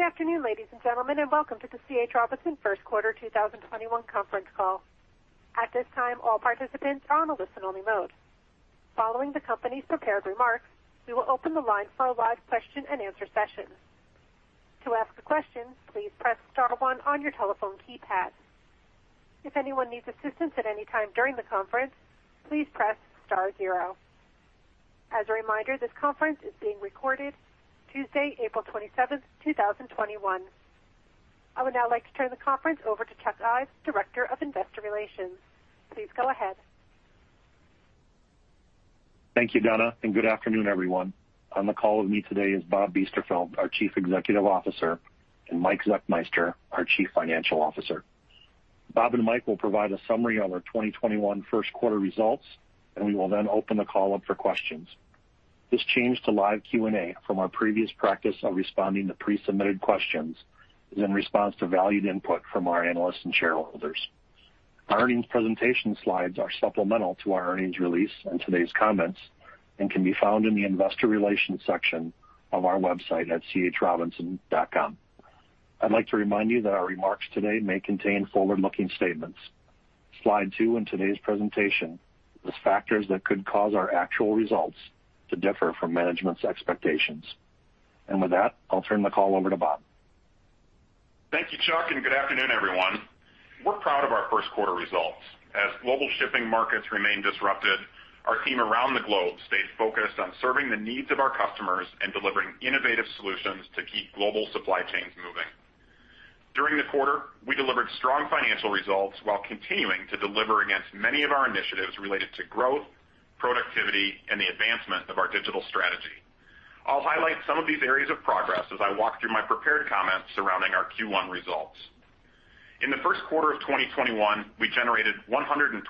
Good afternoon, ladies and gentlemen, and welcome to the C.H.Robinson first quarter 2021 conference call. At this time, all participants are on a listen-only mode. Following the company's prepared remarks, we will open the line for a live question-and-answer session. To ask a question, please press star one on your telephone keypad. If anyone needs assistance at any time during the conference, please press star zero. As a reminder, this conference is being recorded Tuesday, April 27th, 2021. I would now like to turn the conference over to Chuck Ives, Director of Investor Relations. Please go ahead. Thank you, Donna. Good afternoon, everyone. On the call with me today is Bob Biesterfeld, our Chief Executive Officer, and Mike Zechmeister, our Chief Financial Officer. Bob and Mike will provide a summary of our 2021 first quarter results, and we will then open the call up for questions. This change to live Q&A from our previous practice of responding to pre-submitted questions is in response to valued input from our analysts and shareholders. Our earnings presentation slides are supplemental to our earnings release and today's comments and can be found in the investor relations section of our website at chrobinson.com. I'd like to remind you that our remarks today may contain forward-looking statements. Slide two in today's presentation lists factors that could cause our actual results to differ from management's expectations. With that, I'll turn the call over to Bob. Thank you, Chuck, and good afternoon, everyone. We're proud of our first quarter results. Global shipping markets remain disrupted, our team around the globe stayed focused on serving the needs of our customers and delivering innovative solutions to keep global supply chains moving. During the quarter, we delivered strong financial results while continuing to deliver against many of our initiatives related to growth, productivity, and the advancement of our digital strategy. I'll highlight some of these areas of progress as I walk through my prepared comments surrounding our Q1 results. In the first quarter of 2021, we generated 125%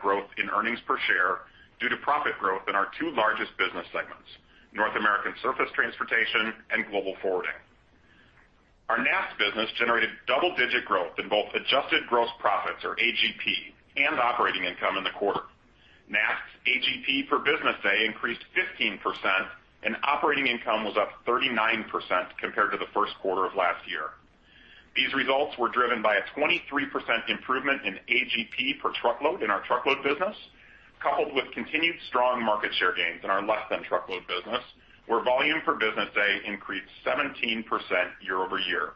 growth in earnings per share due to profit growth in our two largest business segments, North American Surface Transportation and Global Forwarding. Our NAST business generated double-digit growth in both adjusted gross profits, or AGP, and operating income in the quarter. NAST's AGP per business day increased 15%, and operating income was up 39% compared to the first quarter of last year. These results were driven by a 23% improvement in AGP per truckload in our truckload business, coupled with continued strong market share gains in our less than truckload business, where volume per business day increased 17% year-over-year.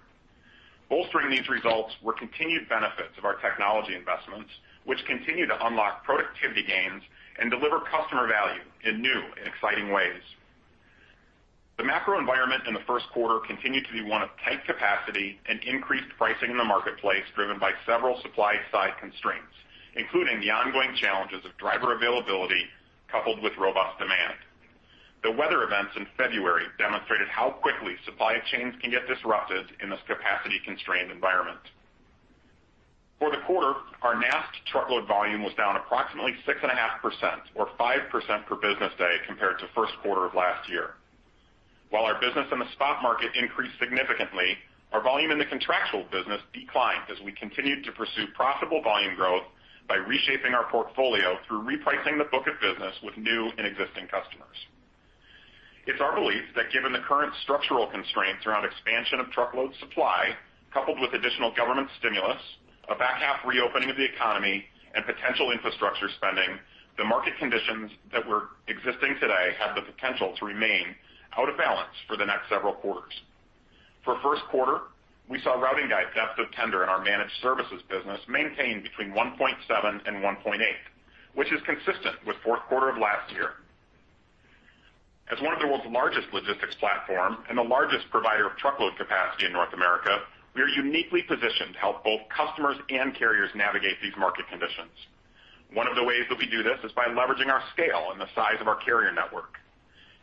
Bolstering these results were continued benefits of our technology investments, which continue to unlock productivity gains and deliver customer value in new and exciting ways. The macro environment in the first quarter continued to be one of tight capacity and increased pricing in the marketplace, driven by several supply-side constraints, including the ongoing challenges of driver availability, coupled with robust demand. The weather events in February demonstrated how quickly supply chains can get disrupted in this capacity-constrained environment. For the quarter, our NAST truckload volume was down approximately 6.5% or 5% per business day compared to first quarter of last year. While our business in the spot market increased significantly, our volume in the contractual business declined as we continued to pursue profitable volume growth by reshaping our portfolio through repricing the book of business with new and existing customers. It's our belief that given the current structural constraints around expansion of truckload supply, coupled with additional government stimulus, a back half reopening of the economy, and potential infrastructure spending, the market conditions that were existing today have the potential to remain out of balance for the next several quarters. For first quarter, we saw routing guide depth of tender in our managed services business maintain between 1.7 and 1.8, which is consistent with fourth quarter of last year. As one of the world's largest logistics platform and the largest provider of truckload capacity in North America, we are uniquely positioned to help both customers and carriers navigate these market conditions. One of the ways that we do this is by leveraging our scale and the size of our carrier network.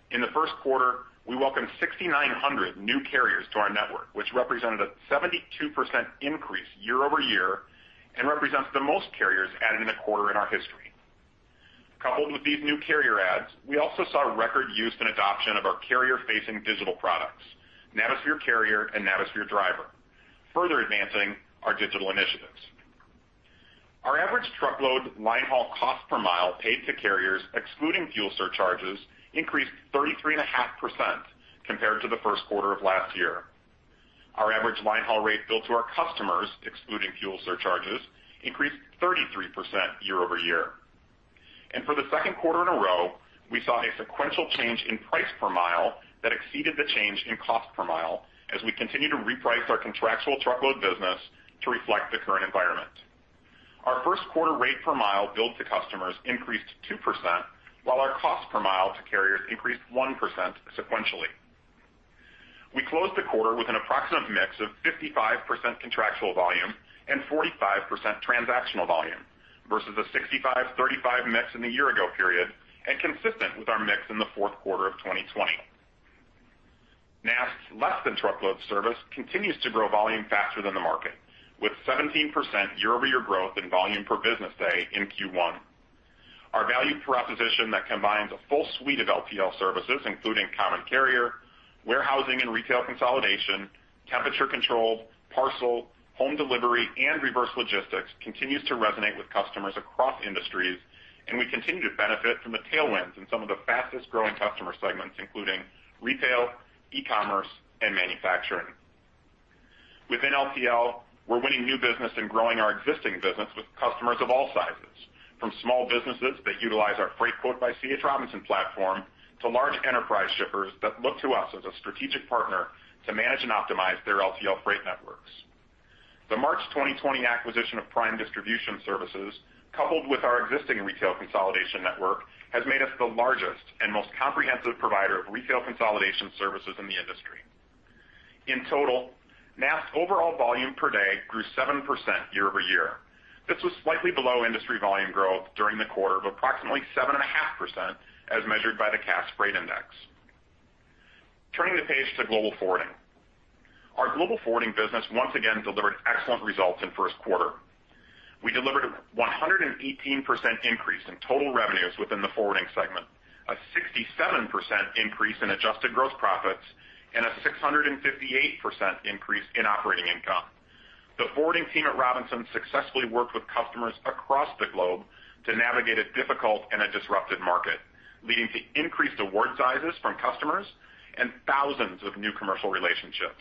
In the first quarter, we welcomed 6,900 new carriers to our network, which represented a 72% increase year-over-year and represents the most carriers added in a quarter in our history. Coupled with these new carrier adds, we also saw record use and adoption of our carrier-facing digital products, Navisphere Carrier and Navisphere Driver, further advancing our digital initiatives. Our average truckload line haul cost per mile paid to carriers excluding fuel surcharges increased 33.5% compared to the first quarter of last year. Our average line haul rate billed to our customers, excluding fuel surcharges, increased 33% year-over-year. For the second quarter in a row, we saw a sequential change in price per mile that exceeded the change in cost per mile as we continue to reprice our contractual truckload business to reflect the current environment. Our first quarter rate per mile billed to customers increased 2%, while our cost per mile to carriers increased 1% sequentially. We closed the quarter with an approximate mix of 55% contractual volume and 45% transactional volume versus a 65/35 mix in the year-ago period and consistent with our mix in the fourth quarter of 2020. NAST's less than truckload service continues to grow volume faster than the market with 17% year-over-year growth in volume per business day in Q1. Our value proposition that combines a full suite of LTL services, including common carrier, warehousing and retail consolidation, temperature controlled parcel, home delivery, and reverse logistics continues to resonate with customers across industries. We continue to benefit from the tailwinds in some of the fastest-growing customer segments, including retail, e-commerce, and manufacturing. Within LTL, we're winning new business and growing our existing business with customers of all sizes, from small businesses that utilize our Freightquote by C.H.Robinson platform, to large enterprise shippers that look to us as a strategic partner to manage and optimize their LTL freight networks. The March 2020 acquisition of Prime Distribution Services, coupled with our existing retail consolidation network, has made us the largest and most comprehensive provider of retail consolidation services in the industry. In total, NAST's overall volume per day grew 7% year-over-year. This was slightly below industry volume growth during the quarter of approximately 7.5%, as measured by the Cass Freight Index. Turning the page to global forwarding. Our global forwarding business once again delivered excellent results in first quarter. We delivered a 118% increase in total revenues within the forwarding segment, a 67% increase in adjusted gross profits, and a 658% increase in operating income. The forwarding team at Robinson successfully worked with customers across the globe to navigate a difficult and a disrupted market, leading to increased award sizes from customers and thousands of new commercial relationships.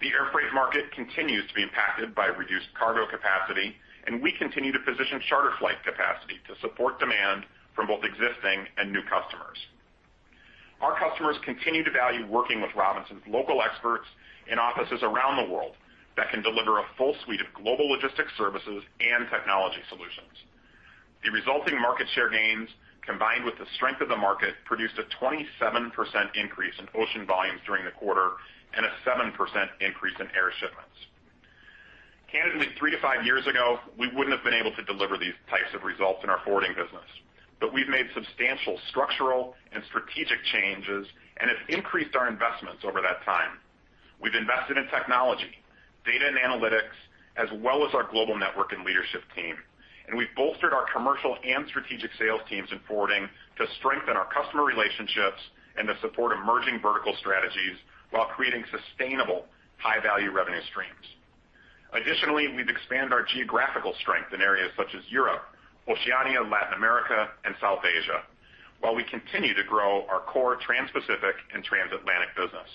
The air freight market continues to be impacted by reduced cargo capacity, and we continue to position charter flight capacity to support demand from both existing and new customers. Our customers continue to value working with Robinson's local experts in offices around the world that can deliver a full suite of global logistics services and technology solutions. The resulting market share gains, combined with the strength of the market, produced a 27% increase in ocean volumes during the quarter and a 7% increase in air shipments. Candidly, three to five years ago, we wouldn't have been able to deliver these types of results in our forwarding business, but we've made substantial structural and strategic changes, and have increased our investments over that time. We've invested in technology, data and analytics, as well as our global network and leadership team. We've bolstered our commercial and strategic sales teams in forwarding to strengthen our customer relationships and to support emerging vertical strategies while creating sustainable high-value revenue streams. Additionally, we've expanded our geographical strength in areas such as Europe, Oceania, Latin America, and South Asia, while we continue to grow our core Trans-Pacific and Transatlantic business.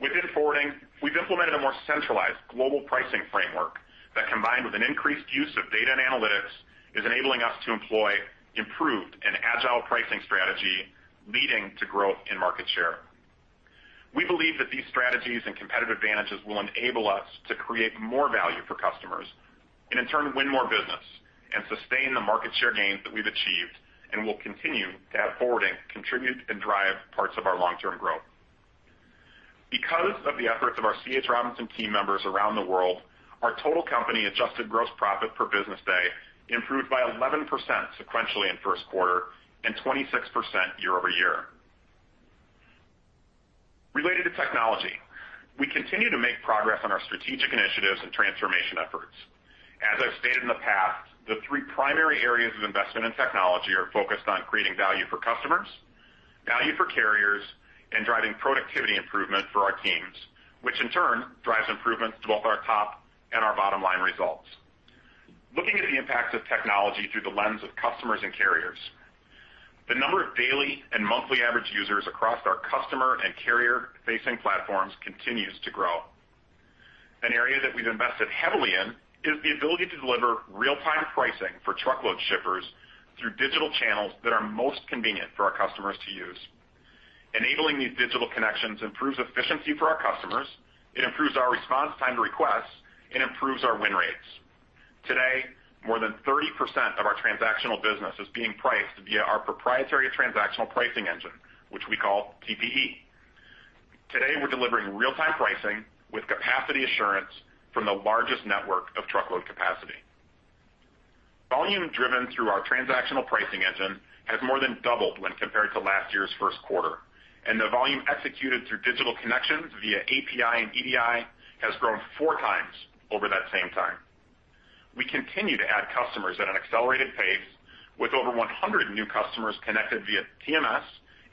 Within forwarding, we've implemented a more centralized global pricing framework that, combined with an increased use of data and analytics, is enabling us to employ improved and agile pricing strategy, leading to growth in market share. We believe that these strategies and competitive advantages will enable us to create more value for customers, and in turn, win more business and sustain the market share gains that we've achieved and will continue to have forwarding contribute and drive parts of our long-term growth. Because of the efforts of our C. H. Robinson team members around the world, our total company adjusted gross profit per business day improved by 11% sequentially in first quarter and 26% year-over-year. Related to technology, we continue to make progress on our strategic initiatives and transformation efforts. As I've stated in the past, the three primary areas of investment in technology are focused on creating value for customers, value for carriers, and driving productivity improvement for our teams, which in turn drives improvements to both our top and our bottom-line results. Looking at the impact of technology through the lens of customers and carriers, the number of daily and monthly average users across our customer and carrier-facing platforms continues to grow. An area that we've invested heavily in is the ability to deliver real-time pricing for truckload shippers through digital channels that are most convenient for our customers to use. Enabling these digital connections improves efficiency for our customers, it improves our response time to requests, and improves our win rates. Today, more than 30% of our transactional business is being priced via our proprietary transactional pricing engine, which we call TPE. Today, we're delivering real-time pricing with capacity assurance from the largest network of truckload capacity. Volume driven through our transactional pricing engine has more than doubled when compared to last year's first quarter, and the volume executed through digital connections via API and EDI has grown 4x over that same time. We continue to add customers at an accelerated pace with over 100 new customers connected via TMS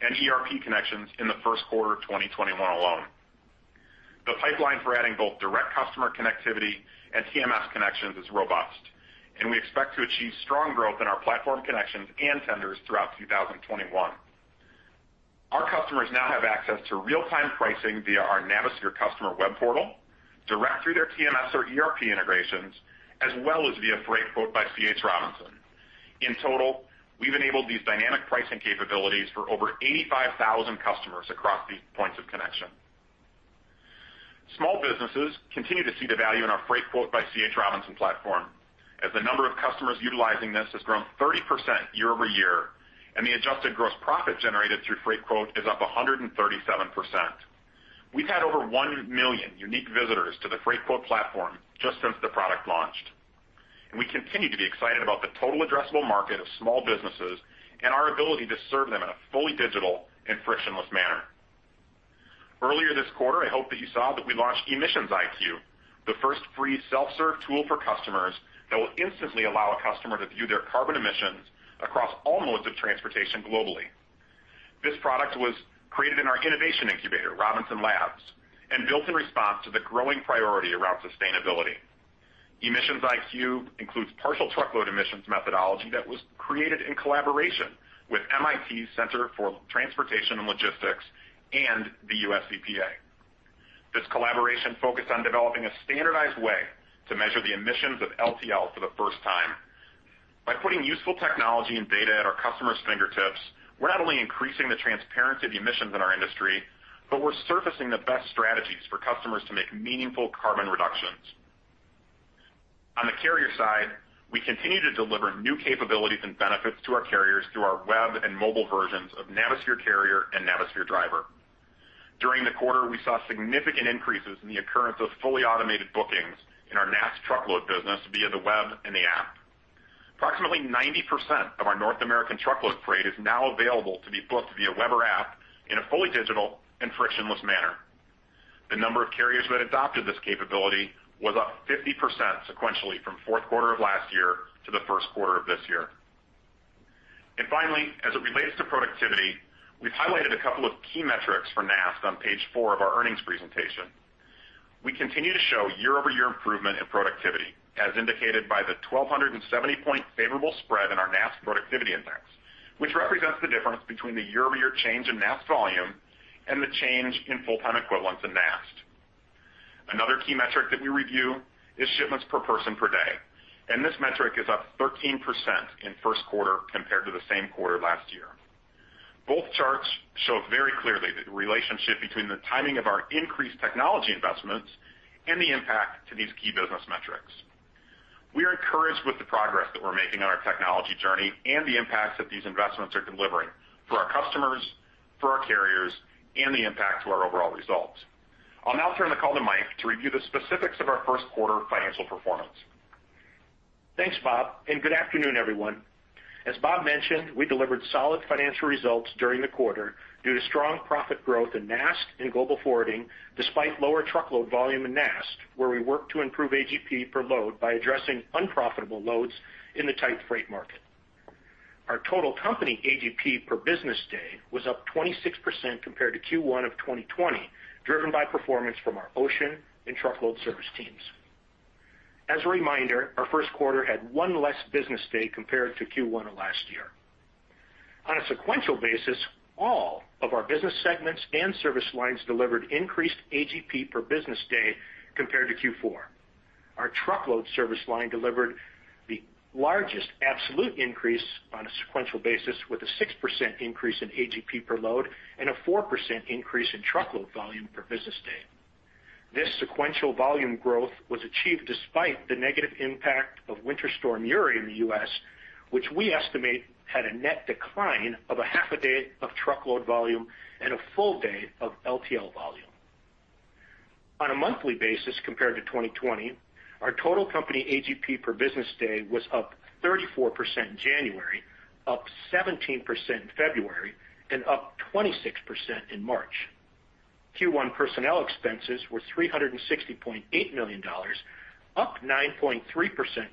and ERP connections in the first quarter of 2021 alone. The pipeline for adding both direct customer connectivity and TMS connections is robust, and we expect to achieve strong growth in our platform connections and tenders throughout 2021. Our customers now have access to real-time pricing via our Navisphere customer web portal, direct through their TMS or ERP integrations, as well as via Freightquote by C.H. Robinson. In total, we've enabled these dynamic pricing capabilities for over 85,000 customers across these points of connection. Small businesses continue to see the value in our Freightquote by C.H. Robinson platform, as the number of customers utilizing this has grown 30% year-over-year, and the adjusted gross profit generated through Freightquote is up 137%. We've had over 1 million unique visitors to the Freightquote platform just since the product launched. We continue to be excited about the total addressable market of small businesses and our ability to serve them in a fully digital and frictionless manner. Earlier this quarter, I hope that you saw that we launched Emissions IQ. The first free self-serve tool for customers that will instantly allow a customer to view their carbon emissions across all modes of transportation globally. This product was created in our innovation incubator, Robinson Labs, and built in response to the growing priority around sustainability. Emissions IQ includes partial truckload emissions methodology that was created in collaboration with MIT Center for Transportation & Logistics and the U.S. EPA. This collaboration focused on developing a standardized way to measure the emissions of LTL for the first time. By putting useful technology and data at our customers' fingertips, we're not only increasing the transparency of emissions in our industry, but we're surfacing the best strategies for customers to make meaningful carbon reductions. On the carrier side, we continue to deliver new capabilities and benefits to our carriers through our web and mobile versions of Navisphere Carrier and Navisphere Driver. During the quarter, we saw significant increases in the occurrence of fully automated bookings in our NAST truckload business via the web and the app. Approximately 90% of our North American truckload freight is now available to be booked via web or app in a fully digital and frictionless manner. The number of carriers that adopted this capability was up 50% sequentially from fourth quarter of last year to the first quarter of this year. Finally, as it relates to productivity, we've highlighted a couple of key metrics for NAST on Page four of our earnings presentation. We continue to show year-over-year improvement in productivity, as indicated by the 1,270 point favorable spread in our NAST productivity index, which represents the difference between the year-over-year change in NAST volume and the change in full-time equivalents in NAST. Another key metric that we review is shipments per person per day, and this metric is up 13% in first quarter compared to the same quarter last year. Both charts show very clearly the relationship between the timing of our increased technology investments and the impact to these key business metrics. We are encouraged with the progress that we're making on our technology journey and the impacts that these investments are delivering for our customers, for our carriers, and the impact to our overall results. I'll now turn the call to Mike to review the specifics of our first quarter financial performance. Thanks, Bob. Good afternoon, everyone. As Bob mentioned, we delivered solid financial results during the quarter due to strong profit growth in NAST and global forwarding, despite lower truckload volume in NAST, where we worked to improve AGP per load by addressing unprofitable loads in the tight freight market. Our total company AGP per business day was up 26% compared to Q1 of 2020, driven by performance from our ocean and truckload service teams. As a reminder, our first quarter had one less business day compared to Q1 of last year. On a sequential basis, all of our business segments and service lines delivered increased AGP per business day compared to Q4. Our truckload service line delivered the largest absolute increase on a sequential basis, with a 6% increase in AGP per load and a 4% increase in truckload volume per business day. This sequential volume growth was achieved despite the negative impact of Winter Storm Uri in the U.S., which we estimate had a net decline of a half a day of truckload volume and a full day of LTL volume. On a monthly basis compared to 2020, our total company AGP per business day was up 34% in January, up 17% in February, and up 26% in March. Q1 personnel expenses were $360.8 million, up 9.3%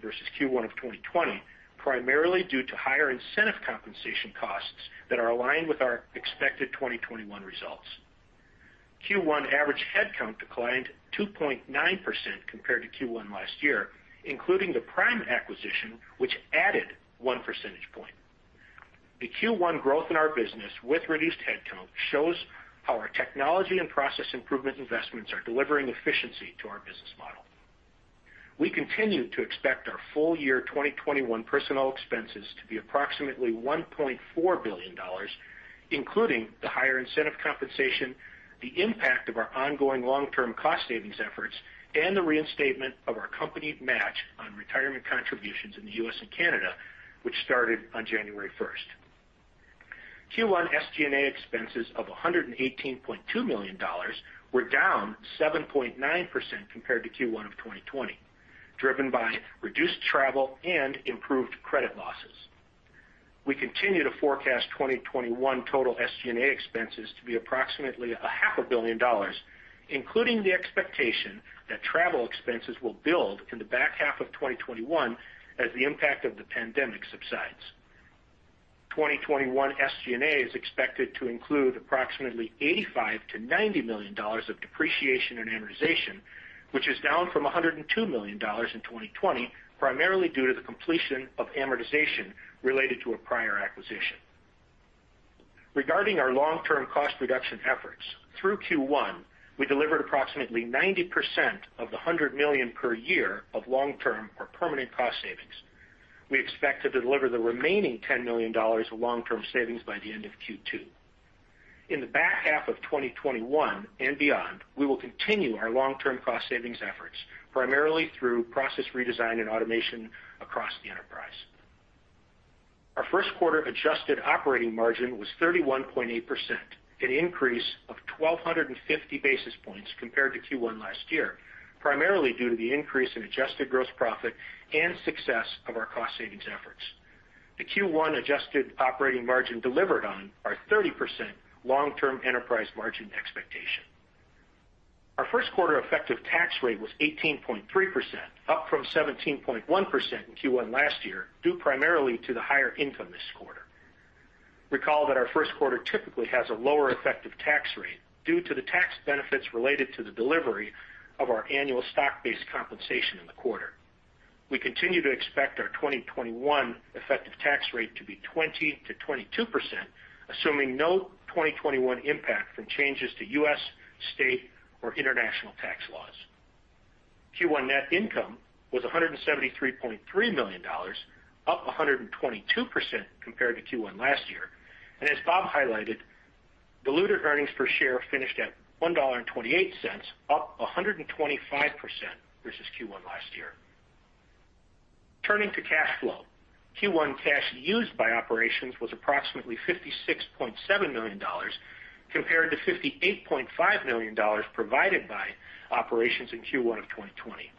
versus Q1 of 2020, primarily due to higher incentive compensation costs that are aligned with our expected 2021 results. Q1 average headcount declined 2.9% compared to Q1 last year, including the Prime acquisition, which added one percentage point. The Q1 growth in our business with reduced headcount shows how our technology and process improvement investments are delivering efficiency to our business model. We continue to expect our full-year 2021 personnel expenses to be approximately $1.4 billion, including the higher incentive compensation, the impact of our ongoing long-term cost savings efforts, and the reinstatement of our company match on retirement contributions in the U.S. and Canada, which started on January 1st. Q1 SG&A expenses of $118.2 million were down 7.9% compared to Q1 of 2020, driven by reduced travel and improved credit losses. We continue to forecast 2021 total SG&A expenses to be approximately $500 million, including the expectation that travel expenses will build in the back half of 2021 as the impact of the pandemic subsides. 2021 SG&A is expected to include approximately $85 million-$90 million of depreciation and amortization, which is down from $102 million in 2020, primarily due to the completion of amortization related to a prior acquisition. Regarding our long-term cost reduction efforts, through Q1, we delivered approximately 90% of the $100 million per year of long-term or permanent cost savings. We expect to deliver the remaining $10 million of long-term savings by the end of Q2. In the back half of 2021 and beyond, we will continue our long-term cost savings efforts, primarily through process redesign and automation across the enterprise. Our first quarter adjusted operating margin was 31.8%, an increase of 1,250 basis points compared to Q1 last year, primarily due to the increase in adjusted gross profit and success of our cost savings efforts. The Q1 adjusted operating margin delivered on our 30% long-term enterprise margin expectation. Our first quarter effective tax rate was 18.3%, up from 17.1% in Q1 last year, due primarily to the higher income this quarter. Recall that our first quarter typically has a lower effective tax rate due to the tax benefits related to the delivery of our annual stock-based compensation in the quarter. We continue to expect our 2021 effective tax rate to be 20%-22%, assuming no 2021 impact from changes to U.S., state, or international tax laws. Q1 net income was $173.3 million, up 122% compared to Q1 last year. As Bob highlighted, diluted earnings per share finished at $1.28, up 125% versus Q1 last year. Turning to cash flow, Q1 cash used by operations was approximately $56.7 million, compared to $58.5 million provided by operations in Q1 of 2020.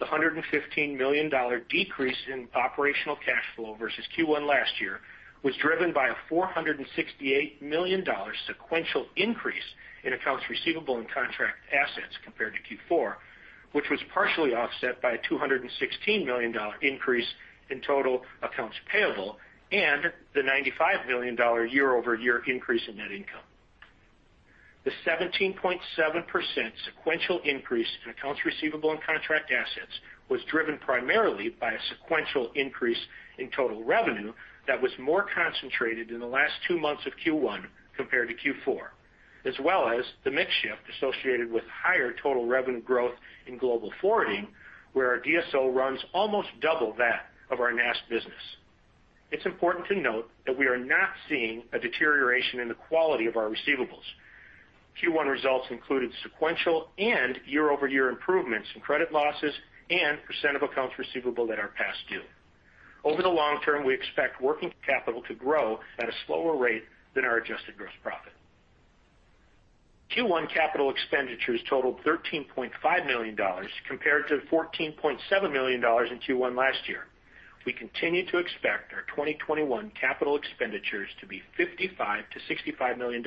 The $115 million decrease in operational cash flow versus Q1 last year was driven by a $468 million sequential increase in accounts receivable and contract assets compared to Q4, which was partially offset by a $216 million increase in total accounts payable and the $95 million year-over-year increase in net income. The 17.7% sequential increase in accounts receivable and contract assets was driven primarily by a sequential increase in total revenue that was more concentrated in the last two months of Q1 compared to Q4, as well as the mix shift associated with higher total revenue growth in global forwarding, where our DSO runs almost double that of our NAST business. It's important to note that we are not seeing a deterioration in the quality of our receivables. Q1 results included sequential and year-over-year improvements in credit losses and percent of accounts receivable that are past due. Over the long-term, we expect working capital to grow at a slower rate than our adjusted gross profit. Q1 capital expenditures totaled $13.5 million compared to $14.7 million in Q1 last year. We continue to expect our 2021 capital expenditures to be $55 million-$65 million.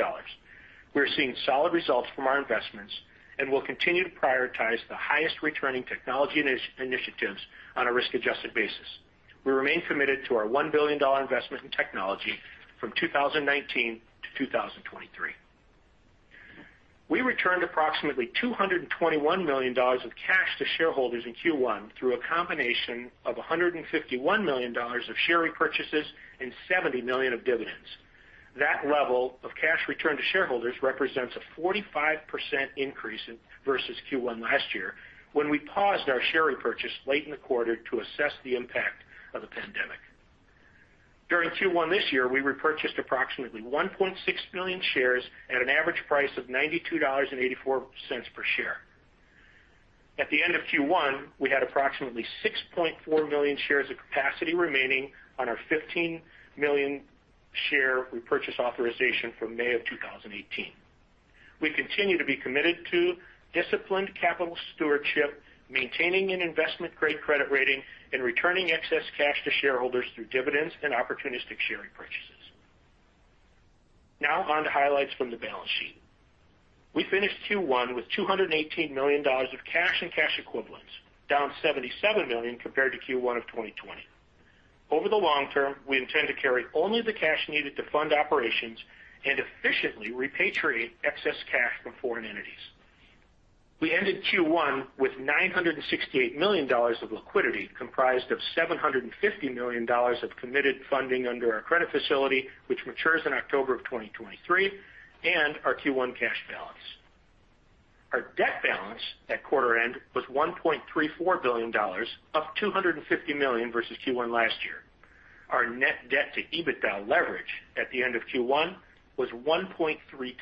We're seeing solid results from our investments and will continue to prioritize the highest returning technology initiatives on a risk-adjusted basis. We remain committed to our $1 billion investment in technology from 2019-2023. We returned approximately $221 million of cash to shareholders in Q1 through a combination of $151 million of share repurchases and $70 million of dividends. That level of cash return to shareholders represents a 45% increase versus Q1 last year, when we paused our share repurchase late in the quarter to assess the impact of the pandemic. During Q1 this year, we repurchased approximately 1.6 million shares at an average price of $92.84 per share. At the end of Q1, we had approximately 6.4 million shares of capacity remaining on our 15 million share repurchase authorization from May of 2018. We continue to be committed to disciplined capital stewardship, maintaining an investment-grade credit rating, and returning excess cash to shareholders through dividends and opportunistic share repurchases. On to highlights from the balance sheet. We finished Q1 with $218 million of cash and cash equivalents, down $77 million compared to Q1 of 2020. Over the long-term, we intend to carry only the cash needed to fund operations and efficiently repatriate excess cash from foreign entities. We ended Q1 with $968 million of liquidity, comprised of $750 million of committed funding under our credit facility, which matures in October of 2023, and our Q1 cash balance. Our debt balance at quarter-end was $1.34 billion, up $250 million versus Q1 last year. Our net debt to EBITDA leverage at the end of Q1 was 1.3x.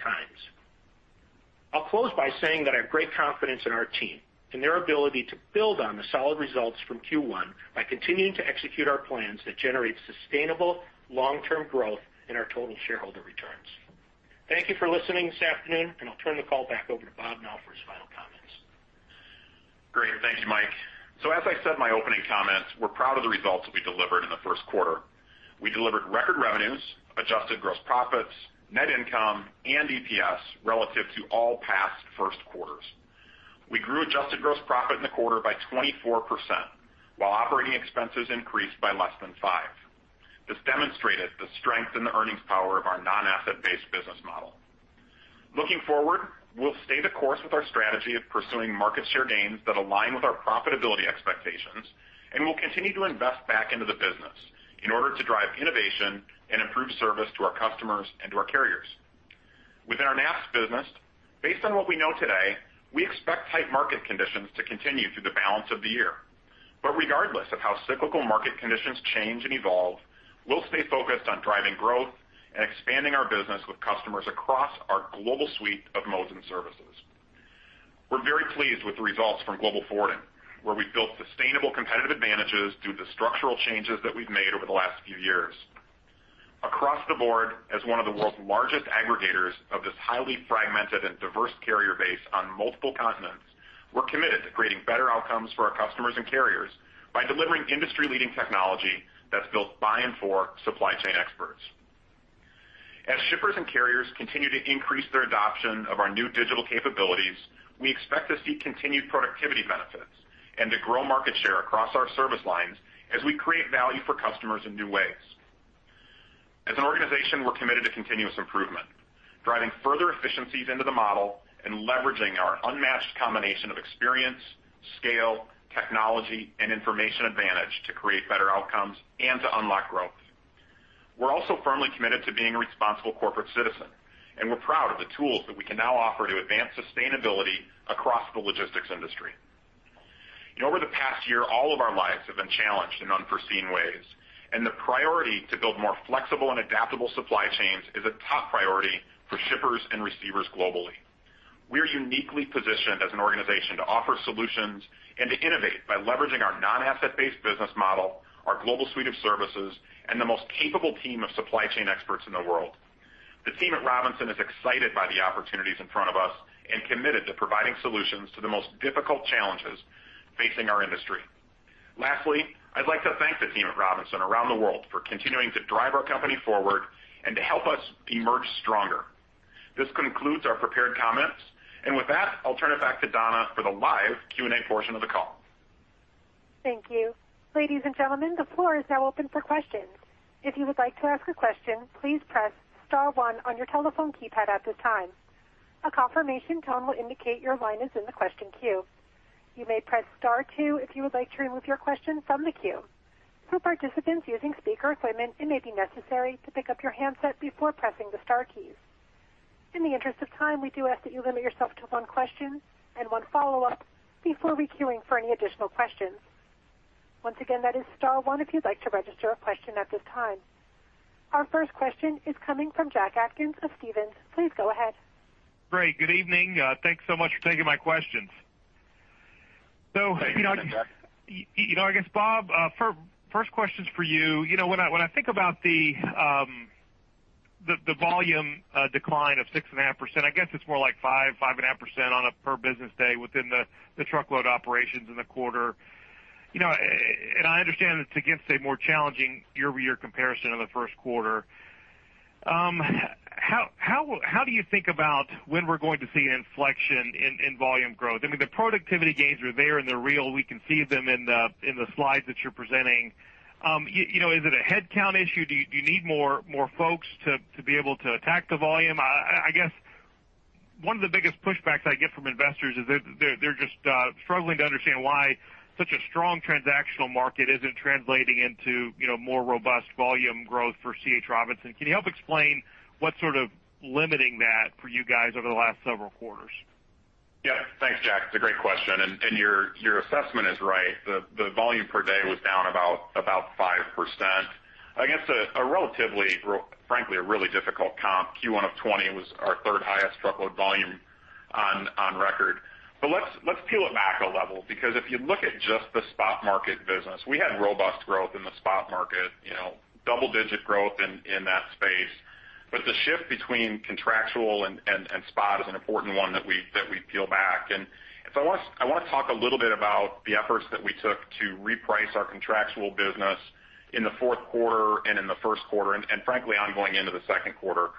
I'll close by saying that I have great confidence in our team and their ability to build on the solid results from Q1 by continuing to execute our plans that generate sustainable long-term growth in our total shareholder returns. Thank you for listening this afternoon, and I'll turn the call back over to Bob now for his final comments. Great. Thank you, Mike. As I said in my opening comments, we're proud of the results that we delivered in the first quarter. We delivered record revenues, adjusted gross profits, net income, and EPS relative to all past first quarters. We grew adjusted gross profit in the quarter by 24%, while operating expenses increased by less than 5%. This demonstrated the strength and the earnings power of our non-asset-based business model. Looking forward, we'll stay the course with our strategy of pursuing market share gains that align with our profitability expectations, and we'll continue to invest back into the business in order to drive innovation and improve service to our customers and to our carriers. Within our NAST business, based on what we know today, we expect tight market conditions to continue through the balance of the year. Regardless of how cyclical market conditions change and evolve, we'll stay focused on driving growth and expanding our business with customers across our global suite of modes and services. We're very pleased with the results from Global Forwarding, where we've built sustainable competitive advantages due to structural changes that we've made over the last few years. Across the board as one of the world's largest aggregators of this highly fragmented and diverse carrier base on multiple continents. We're committed to creating better outcomes for our customers and carriers by delivering industry-leading technology that's built by and for supply chain experts. As shippers and carriers continue to increase their adoption of our new digital capabilities, we expect to see continued productivity benefits and to grow market share across our service lines as we create value for customers in new ways. As an organization, we're committed to continuous improvement, driving further efficiencies into the model and leveraging our unmatched combination of experience, scale, technology, and information advantage to create better outcomes and to unlock growth. We're also firmly committed to being a responsible corporate citizen, and we're proud of the tools that we can now offer to advance sustainability across the logistics industry. Over the past year, all of our lives have been challenged in unforeseen ways, and the priority to build more flexible and adaptable supply chains is a top priority for shippers and receivers globally. We are uniquely positioned as an organization to offer solutions and to innovate by leveraging our non-asset-based business model, our global suite of services, and the most capable team of supply chain experts in the world. The team at Robinson is excited by the opportunities in front of us and committed to providing solutions to the most difficult challenges facing our industry. Lastly, I'd like to thank the team at Robinson around the world for continuing to drive our company forward and to help us emerge stronger. This concludes our prepared comments, and with that, I'll turn it back to Donna for the live Q&A portion of the call. Thank you. Ladies and gentlemen, the floor is now open for questions. If you would like to ask a question, please press star one on your telephone keypad at this time. A confirmation tone will indicate your line is in the question queue. You may press star two if you would like to remove your question from the queue. For participants using speaker equipment, it may be necessary to pick up your handset before pressing the star keys. In the interest of time, we do ask that you limit yourself to one question and one follow-up before re-queuing for any additional questions. Once again, that is star one if you'd like to register a question at this time. Our first question is coming from Jack Atkins of Stephens. Please go ahead. Great. Good evening. Thanks so much for taking my questions. Thank you Jack. I guess, Bob, first question is for you. When I think about the volume decline of 6.5%, I guess it's more like 5%-5.5% on a per business day within the truckload operations in the quarter. I understand it's against a more challenging year-over-year comparison in the first quarter. How do you think about when we're going to see an inflection in volume growth? I mean, the productivity gains are there, and they're real. We can see them in the slides that you're presenting. Is it a headcount issue? Do you need more folks to be able to attack the volume? I guess one of the biggest pushbacks I get from investors is that they're just struggling to understand why such a strong transactional market isn't translating into more robust volume growth for C. H. Robinson. Can you help explain what's sort of limiting that for you guys over the last several quarters? Yeah. Thanks, Jack. It's a great question. Your assessment is right. The volume per day was down about 5%, against a relatively, frankly, a really difficult comp. Q1 of 2020 was our third highest truckload volume on record. Let's peel it back a level, because if you look at just the spot market business, we had robust growth in the spot market. Double-digit growth in that space. The shift between contractual and spot is an important one that we peel back. I want to talk a little bit about the efforts that we took to reprice our contractual business in the fourth quarter and in the first quarter, and frankly, ongoing into the second quarter.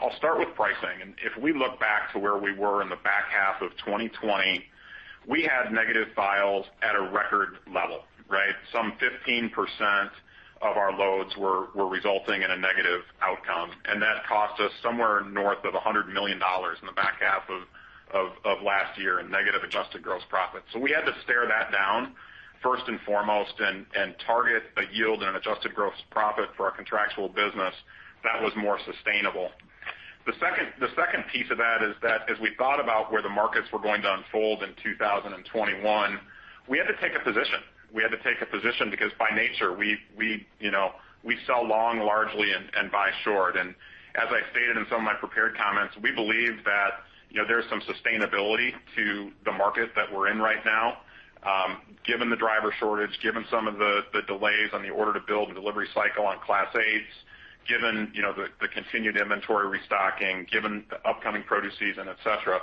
I'll start with pricing. If we look back to where we were in the back half of 2020, we had negative files at a record level, right? 15% of our loads were resulting in a negative outcome. That cost us somewhere north of $100 million in the back half of last year in negative adjusted gross profit. We had to stare that down first and foremost and target a yield and an adjusted gross profit for our contractual business that was more sustainable. The second piece of that is that as we thought about where the markets were going to unfold in 2021, we had to take a position. We had to take a position because by nature, we sell long largely and buy short. As I stated in some of my prepared comments, we believe that there's some sustainability to the market that we're in right now given the driver shortage, given some of the delays on the order to build and delivery cycle on Class 8s, given the continued inventory restocking, given the upcoming produce season, et cetera.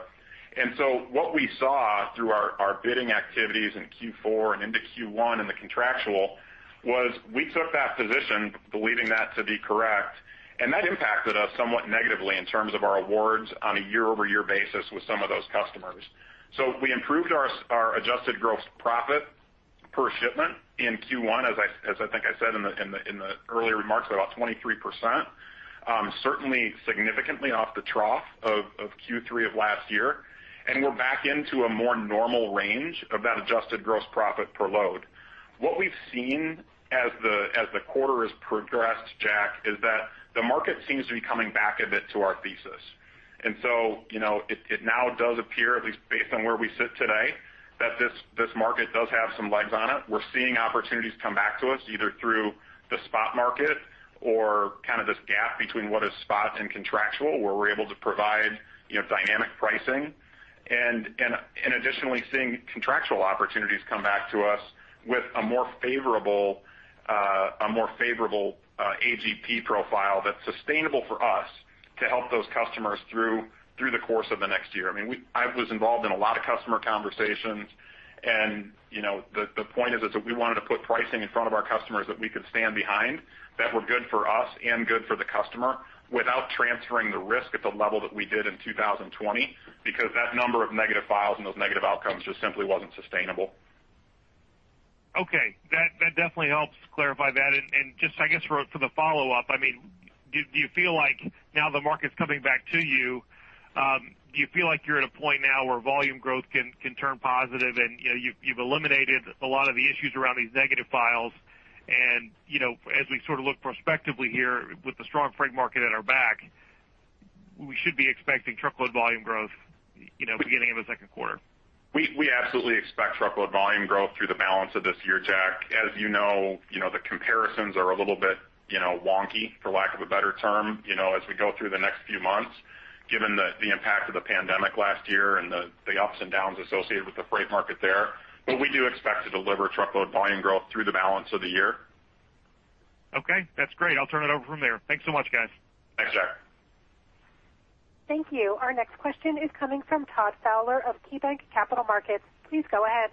What we saw through our bidding activities in Q4 and into Q1 in the contractual was we took that position believing that to be correct, and that impacted us somewhat negatively in terms of our awards on a year-over-year basis with some of those customers. We improved our adjusted gross profit per shipment in Q1, as I think I said in the earlier remarks, by about 23%. Certainly significantly off the trough of Q3 of last year. We're back into a more normal range of that adjusted gross profit per load. What we've seen as the quarter has progressed, Jack, is that the market seems to be coming back a bit to our thesis. It now does appear, at least based on where we sit today, that this market does have some legs on it. We're seeing opportunities come back to us, either through the spot market or kind of this gap between what is spot and contractual, where we're able to provide dynamic pricing. Additionally, seeing contractual opportunities come back to us with a more favorable AGP profile that's sustainable for us to help those customers through the course of the next year. I was involved in a lot of customer conversations, and the point is that we wanted to put pricing in front of our customers that we could stand behind, that were good for us and good for the customer without transferring the risk at the level that we did in 2020, because that number of negative files and those negative outcomes just simply wasn't sustainable. Okay. That definitely helps clarify that. Just, I guess, for the follow-up, do you feel like now the market's coming back to you? Do you feel like you're at a point now where volume growth can turn positive and you've eliminated a lot of the issues around these negative files, and as we sort of look prospectively here with the strong freight market at our back, we should be expecting truckload volume growth beginning of the second quarter? We absolutely expect truckload volume growth through the balance of this year, Jack. As you know, the comparisons are a little bit wonky, for lack of a better term as we go through the next few months, given the impact of the pandemic last year and the ups and downs associated with the freight market there. We do expect to deliver truckload volume growth through the balance of the year. Okay. That's great. I'll turn it over from there. Thanks so much, guys. Thanks, Jack. Thank you. Our next question is coming from Todd Fowler of KeyBanc Capital Markets. Please go ahead.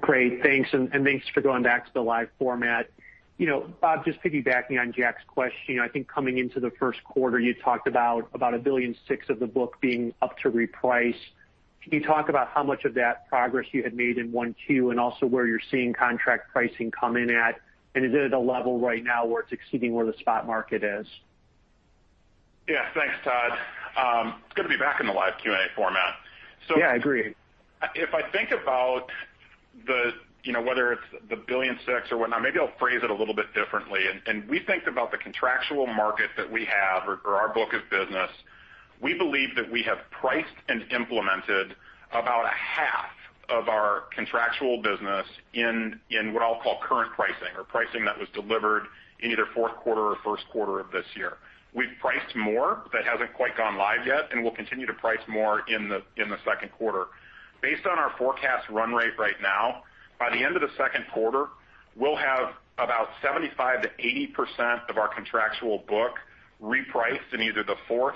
Great. Thanks, and thanks for going back to the live format. Bob, just piggybacking on Jack's question, I think coming into the first quarter, you talked about $1.6 billion of the book being up to reprice. Can you talk about how much of that progress you had made in Q1 and also where you're seeing contract pricing come in at? Is it at a level right now where it's exceeding where the spot market is? Yeah. Thanks, Todd. It's good to be back in the live Q&A format. Yeah, agreed. If I think about whether it's the $1.6 billion or whatnot, maybe I'll phrase it a little bit differently. We think about the contractual market that we have or our book of business, we believe that we have priced and implemented about a half of our contractual business in what I'll call current pricing or pricing that was delivered in either fourth quarter or first quarter of this year. We've priced more that hasn't quite gone live yet, and we'll continue to price more in the second quarter. Based on our forecast run rate right now, by the end of the second quarter, we'll have about 75%-80% of our contractual book repriced in either the fourth,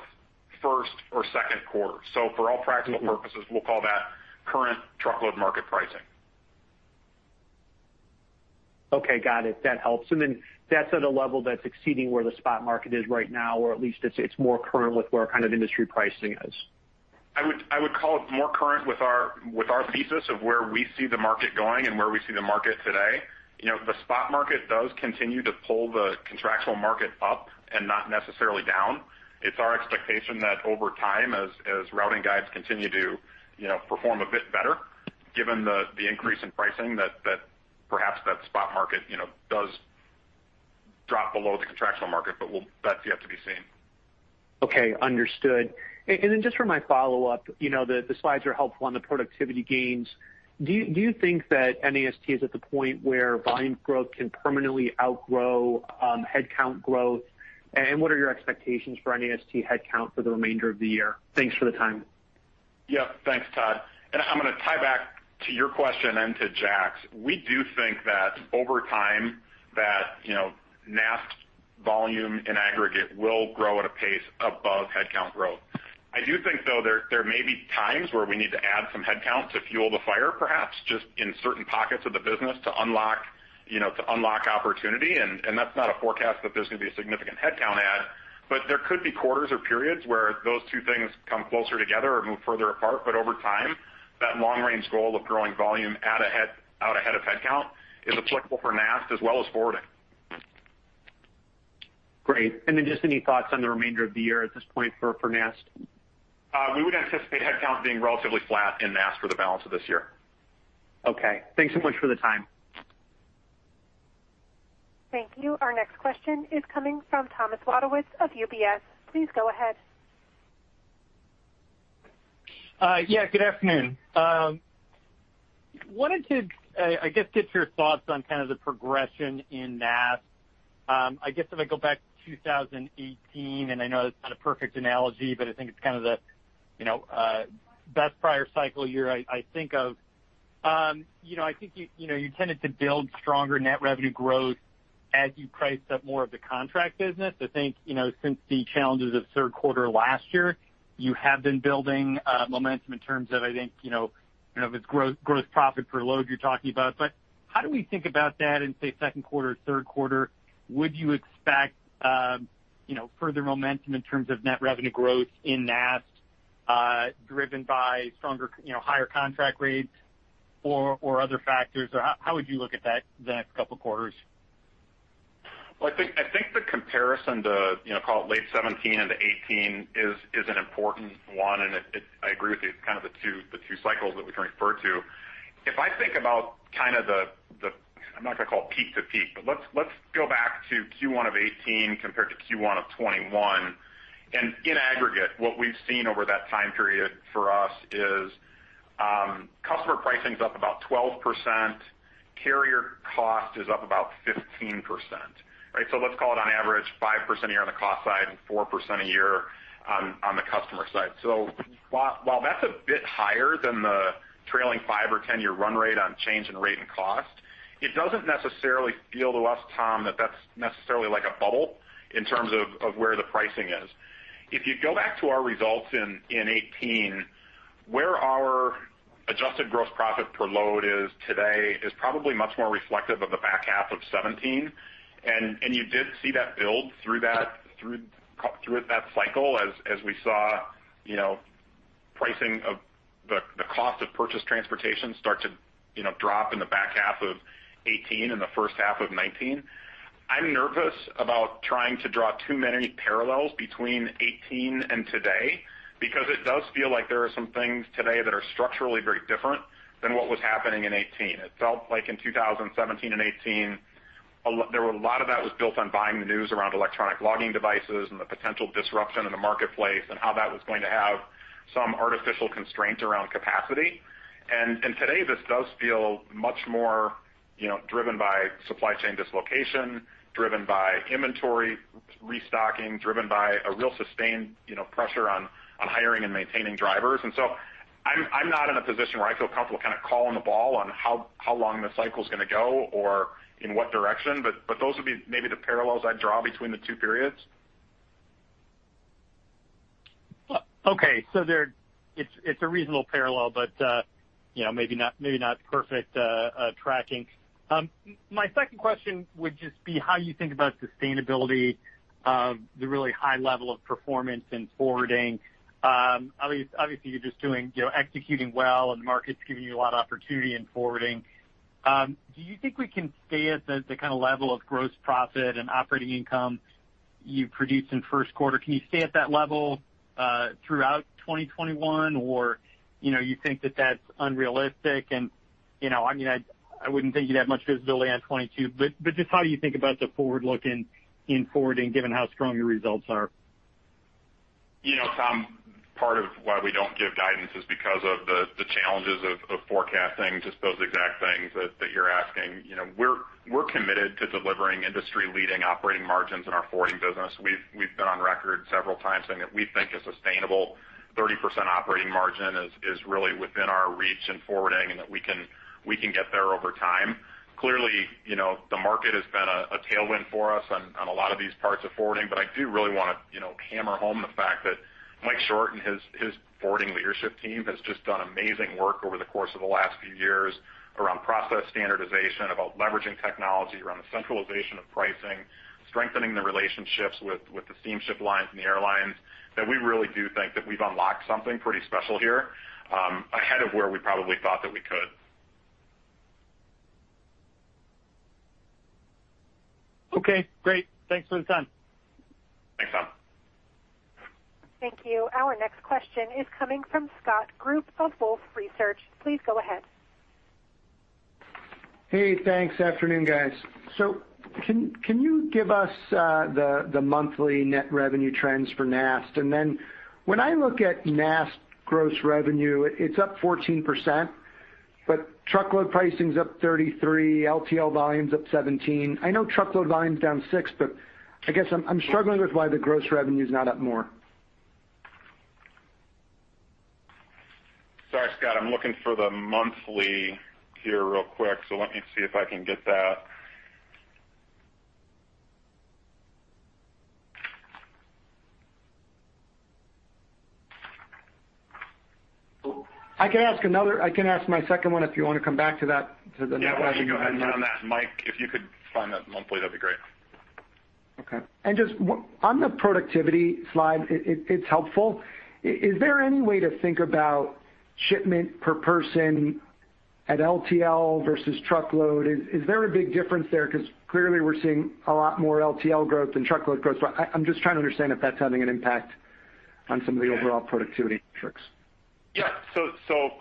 first or second quarter. For all practical purposes, we'll call that current truckload market pricing. Okay. Got it. That helps. That's at a level that's exceeding where the spot market is right now, or at least it's more current with where kind of industry pricing is. I would call it more current with our thesis of where we see the market going and where we see the market today. The spot market does continue to pull the contractual market up and not necessarily down. It's our expectation that over time, as routing guides continue to perform a bit better, given the increase in pricing, that perhaps that spot market does drop below the contractual market. That's yet to be seen. Okay. Understood. Just for my follow-up, the slides are helpful on the productivity gains. Do you think that NAST is at the point where volume growth can permanently outgrow headcount growth? What are your expectations for NAST headcount for the remainder of the year? Thanks for the time. Yep. Thanks, Todd. I'm going to tie back to your question and to Jack's. We do think that over time that NAST volume in aggregate will grow at a pace above headcount growth. I do think, though, there may be times where we need to add some headcount to fuel the fire, perhaps just in certain pockets of the business to unlock opportunity, that's not a forecast that there's going to be a significant headcount add. There could be quarters or periods where those two things come closer together or move further apart. Over time, that long-range goal of growing volume out ahead of headcount is applicable for NAST as well as forwarding. Great. Just any thoughts on the remainder of the year at this point for NAST? We would anticipate headcount being relatively flat in NAST for the balance of this year. Okay. Thanks so much for the time. Thank you. Our next question is coming from Thomas Wadewitz of UBS. Please go ahead. Good afternoon. Wanted to get your thoughts on the progression in NAST. If I go back to 2018, I know that's not a perfect analogy, but I think it's the best prior cycle year I think of. You tended to build stronger net revenue growth as you priced up more of the contract business. Since the challenges of third quarter last year, you have been building momentum in terms of, if it's gross profit per load you're talking about. How do we think about that in second quarter, third quarter? Would you expect further momentum in terms of net revenue growth in NAST, driven by higher contract rates or other factors? How would you look at that the next couple of quarters? Well, I think the comparison to call it late 2017 into 2018 is an important one, and I agree with you, it's kind of the two cycles that we can refer to. If I think about kind of the, I'm not going to call it peak to peak, but let's go back to Q1 of 2018 compared to Q1 of 2021. In aggregate, what we've seen over that time period for us is customer pricing's up about 12%, carrier cost is up about 15%. Right? Let's call it on average 5% a year on the cost side and 4% a year on the customer side. While that's a bit higher than the trailing five or 10-year run rate on change in rate and cost, it doesn't necessarily feel to us, Tom, that that's necessarily like a bubble in terms of where the pricing is. If you go back to our results in 2018, where our adjusted gross profit per load is today is probably much more reflective of the back half of 2017. You did see that build through that cycle as we saw pricing of the cost of purchase transportation start to drop in the back half of 2018 and the first half of 2019. I'm nervous about trying to draw too many parallels between 2018 and today, because it does feel like there are some things today that are structurally very different than what was happening in 2018. It felt like in 2017 and 2018, a lot of that was built on buying the news around electronic logging devices and the potential disruption in the marketplace, and how that was going to have some artificial constraints around capacity. Today, this does feel much more driven by supply chain dislocation, driven by inventory restocking, driven by a real sustained pressure on hiring and maintaining drivers. I'm not in a position where I feel comfortable calling the ball on how long the cycle is going to go or in what direction, but those would be maybe the parallels I'd draw between the two periods. Okay. It's a reasonable parallel, but maybe not perfect tracking. My second question would just be how you think about sustainability, the really high level of performance in forwarding. Obviously, you're just executing well, and the market's giving you a lot of opportunity in forwarding. Do you think we can stay at the kind of level of gross profit and operating income you produced in first quarter? Can you stay at that level throughout 2021? You think that that's unrealistic, and I wouldn't think you'd have much visibility on 2022, but just how do you think about the forward-looking in forwarding, given how strong your results are? Tom, part of why we don't give guidance is because of the challenges of forecasting, just those exact things that you're asking. We're committed to delivering industry-leading operating margins in our forwarding business. We've been on record several times saying that we think a sustainable 30% operating margin is really within our reach in forwarding, and that we can get there over time. Clearly, the market has been a tailwind for us on a lot of these parts of forwarding, but I do really want to hammer home the fact that Mike Short and his forwarding leadership team has just done amazing work over the course of the last few years around process standardization, about leveraging technology, around the centralization of pricing, strengthening the relationships with the steamship lines and the airlines, that we really do think that we've unlocked something pretty special here, ahead of where we probably thought that we could. Okay, great. Thanks for the time. Thanks, Tom. Thank you. Our next question is coming from Scott Group of Wolfe Research. Please go ahead. Hey, thanks. Afternoon, guys. Can you give us the monthly net revenue trends for NAST? When I look at NAST gross revenue, it's up 14%, but truckload pricing's up 33%, LTL volume's up 17%. I know truckload volume's down 6%, but I guess I'm struggling with why the gross revenue's not up more. Sorry, Scott. I'm looking for the monthly here real quick, so let me see if I can get that. I can ask my second one if you want to come back to that. Why don't you go ahead on that, Mike, if you could find that monthly, that'd be great. Okay. Just on the productivity slide, it's helpful. Is there any way to think about shipment per person at LTL versus truckload? Is there a big difference there? Clearly we're seeing a lot more LTL growth than truckload growth. I'm just trying to understand if that's having an impact on some of the overall productivity metrics.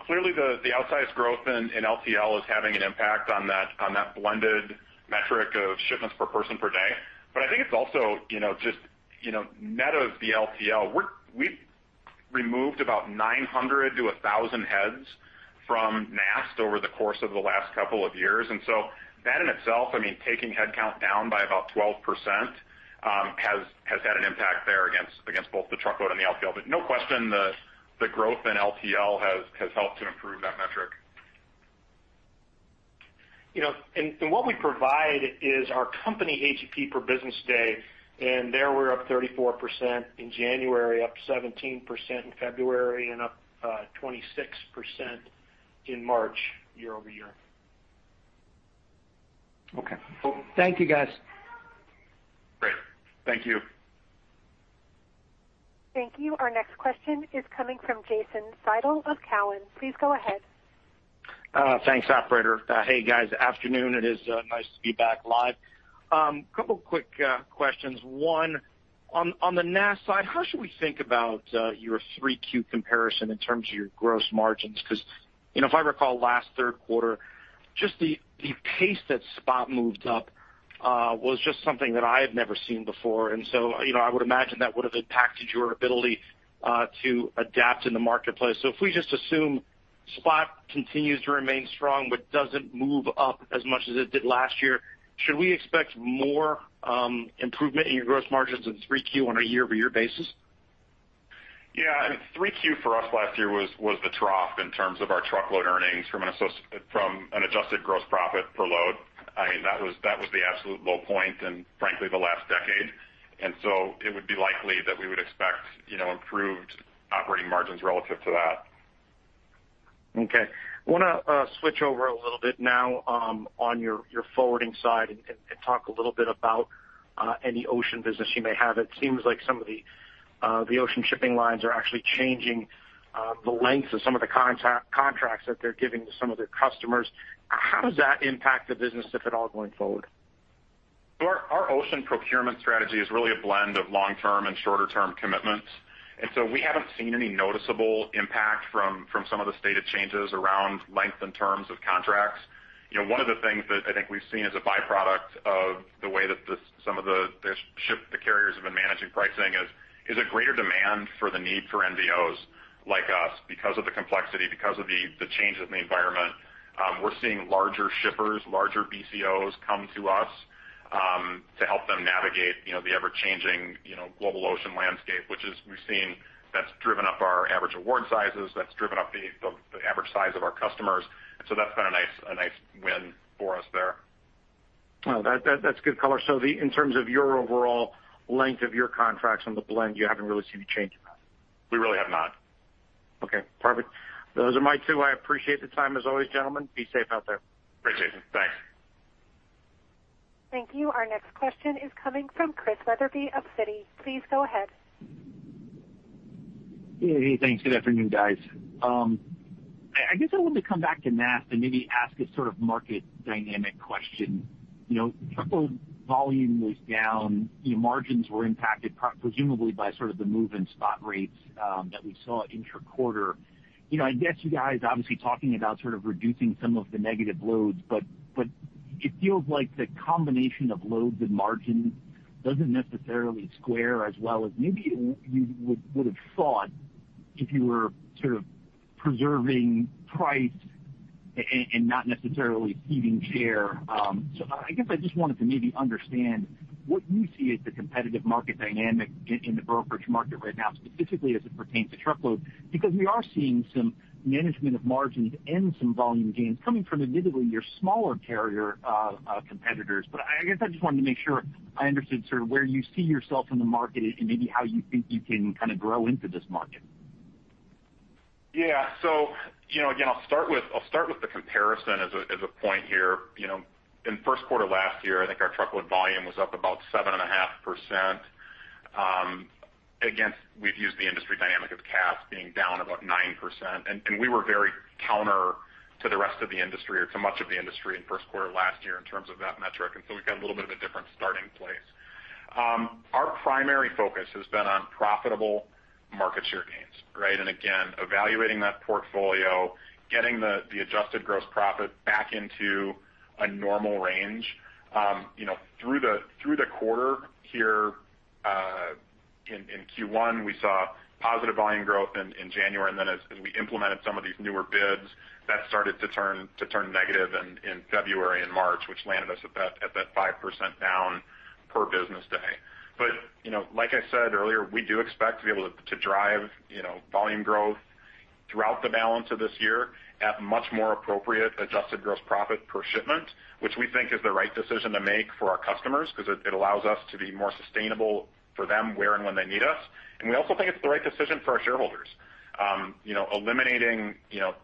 Clearly the outsized growth in LTL is having an impact on that blended metric of shipments per person per day. I think it's also just net of the LTL. We removed about 900-1,000 heads from NAST over the course of the last couple of years. That in itself, taking headcount down by about 12%, has had an impact there against both the truckload and the LTL. No question the growth in LTL has helped to improve that metric. What we provide is our company AGP per business day, there we're up 34% in January, up 17% in February, and up 26% in March, year-over-year. Okay. Thank you, guys. Great. Thank you. Thank you. Our next question is coming from Jason Seidl of Cowen. Please go ahead. Thanks, operator. Hey, guys. Afternoon. It is nice to be back live. Couple quick questions. One, on the NAST side, how should we think about your 3Q comparison in terms of your gross margins? If I recall last third quarter, just the pace that spot moved up was just something that I had never seen before. I would imagine that would have impacted your ability to adapt in the marketplace. If we just assume spot continues to remain strong but doesn't move up as much as it did last year, should we expect more improvement in your gross margins in 3Q on a year-over-year basis? Yeah. 3Q for us last year was the trough in terms of our truckload earnings from an adjusted gross profit per load. That was the absolute low point in, frankly, the last decade. It would be likely that we would expect improved operating margins relative to that. Okay. I want to switch over a little bit now on your forwarding side and talk a little bit about any ocean business you may have. It seems like some of the ocean shipping lines are actually changing the length of some of the contracts that they're giving to some of their customers. How does that impact the business, if at all, going forward? Our ocean procurement strategy is really a blend of long-term and shorter-term commitments. We haven't seen any noticeable impact from some of the stated changes around length and terms of contracts. One of the things that I think we've seen as a byproduct of the way that some of the carriers have been managing pricing is a greater demand for the need for NVOs like us because of the complexity, because of the change in the environment. We're seeing larger shippers, larger BCOs come to us to help them navigate the ever-changing global ocean landscape, which is we've seen that's driven up our average award sizes, that's driven up the average size of our customers. That's been a nice win for us there. Well, that's good color. In terms of your overall length of your contracts on the blend, you haven't really seen any change in that? We really have not. Okay, perfect. Those are my two. I appreciate the time as always, gentlemen. Be safe out there. Great, Jason. Thanks. Thank you. Our next question is coming from Chris Wetherbee of Citi. Please go ahead. Thanks. Good afternoon, guys. I guess I wanted to come back to NAST and maybe ask a sort of market dynamic question. Truckload volume was down, margins were impacted presumably by sort of the move in spot rates that we saw intra-quarter. I guess you guys obviously talking about sort of reducing some of the negative loads, it feels like the combination of loads and margins doesn't necessarily square as well as maybe you would've thought if you were sort of preserving price and not necessarily ceding share. I guess I just wanted to maybe understand what you see as the competitive market dynamic in the brokerage market right now, specifically as it pertains to truckload. We are seeing some management of margins and some volume gains coming from admittedly your smaller carrier competitors. I guess I just wanted to make sure I understood sort of where you see yourself in the market and maybe how you think you can kind of grow into this market. Yeah. Again, I'll start with the comparison as a point here. In first quarter last year, I think our truckload volume was up about 7.5%. Again, we've used the industry dynamic of Cass being down about 9%. We were very counter to the rest of the industry or to much of the industry in first quarter last year in terms of that metric. We've got a little bit of a different starting place. Our primary focus has been on profitable market share gains, right? Again, evaluating that portfolio, getting the adjusted gross profit back into a normal range. Through the quarter here in Q1, we saw positive volume growth in January, and then as we implemented some of these newer bids, that started to turn negative in February and March, which landed us at that 5% down per business day. Like I said earlier, we do expect to be able to drive volume growth throughout the balance of this year at much more appropriate adjusted gross profit per shipment, which we think is the right decision to make for our customers because it allows us to be more sustainable for them where and when they need us. And we also think it's the right decision for our shareholders. Eliminating,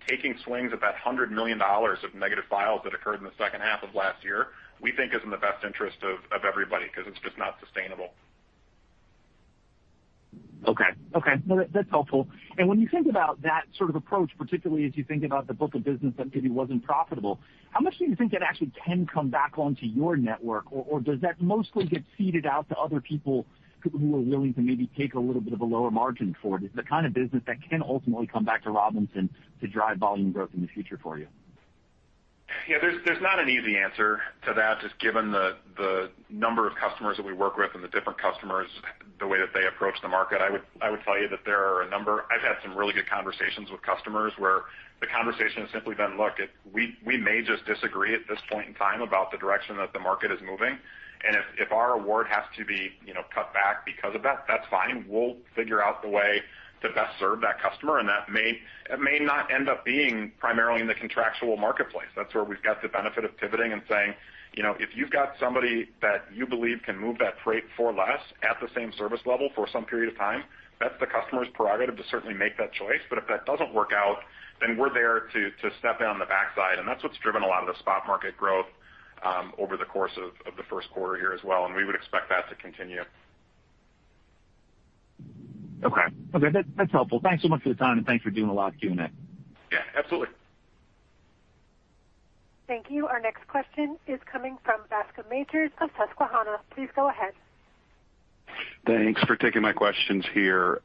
taking swings of that $100 million of negative files that occurred in the second half of last year, we think is in the best interest of everybody because it's just not sustainable. Okay. Well, that's helpful. When you think about that sort of approach, particularly as you think about the book of business that maybe wasn't profitable, how much do you think that actually can come back onto your network? Does that mostly get seeded out to other people who are willing to maybe take a little bit of a lower margin for it? Is it the kind of business that can ultimately come back to Robinson to drive volume growth in the future for you? Yeah, there's not an easy answer to that, just given the number of customers that we work with and the different customers, the way that they approach the market. I would tell you that there are a number. I've had some really good conversations with customers where the conversation has simply been, Look, we may just disagree at this point in time about the direction that the market is moving, and if our award has to be cut back because of that's fine. We'll figure out the way to best serve that customer, and that may not end up being primarily in the contractual marketplace. That's where we've got the benefit of pivoting and saying, if you've got somebody that you believe can move that freight for less at the same service level for some period of time, that's the customer's prerogative to certainly make that choice. If that doesn't work out, then we're there to step in on the backside, and that's what's driven a lot of the spot market growth over the course of the first quarter here as well, and we would expect that to continue. Okay. That's helpful. Thanks so much for the time, and thanks for doing a lot of Q&A. Yeah, absolutely. Thank you. Our next question is coming from Bascome Majors of Susquehanna. Please go ahead. Thanks for taking my questions here.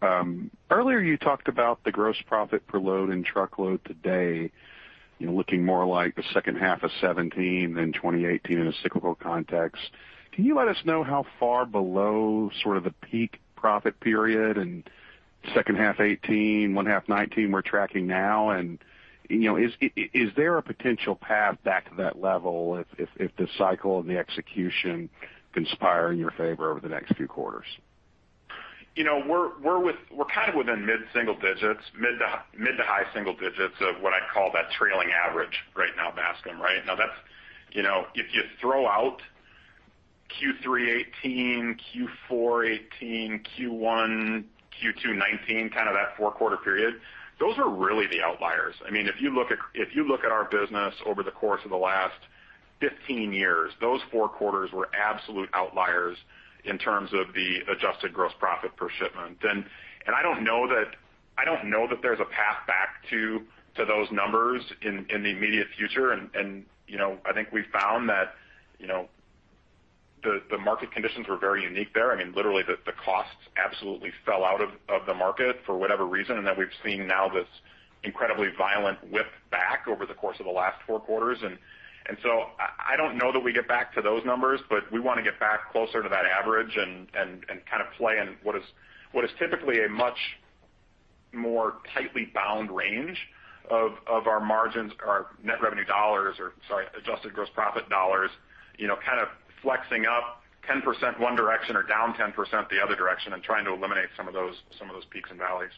Earlier you talked about the gross profit per load in truckload today looking more like the second half of 2017 than 2018 in a cyclical context. Can you let us know how far below sort of the peak profit period in second half 2018, one half 2019 we're tracking now? Is there a potential path back to that level if the cycle and the execution conspire in your favor over the next few quarters? We're kind of within mid-single digits, mid to high single digits of what I'd call that trailing average right now, Bascome, right? That's if you throw out Q3 2018, Q4 2018, Q1, Q2 2019, kind of that four-quarter period, those are really the outliers. If you look at our business over the course of the last 15 years, those four quarters were absolute outliers in terms of the adjusted gross profit per shipment. I don't know that there's a path back to those numbers in the immediate future, and I think we've found that the market conditions were very unique there. Literally, the costs absolutely fell out of the market for whatever reason, and that we've seen now this incredibly violent whip back over the course of the last four quarters. I don't know that we get back to those numbers, but we want to get back closer to that average and kind of play in what is typically a much more tightly bound range of our margins, our net revenue dollars, or sorry, adjusted gross profit dollars, kind of flexing up 10% one direction or down 10% the other direction and trying to eliminate some of those peaks and valleys.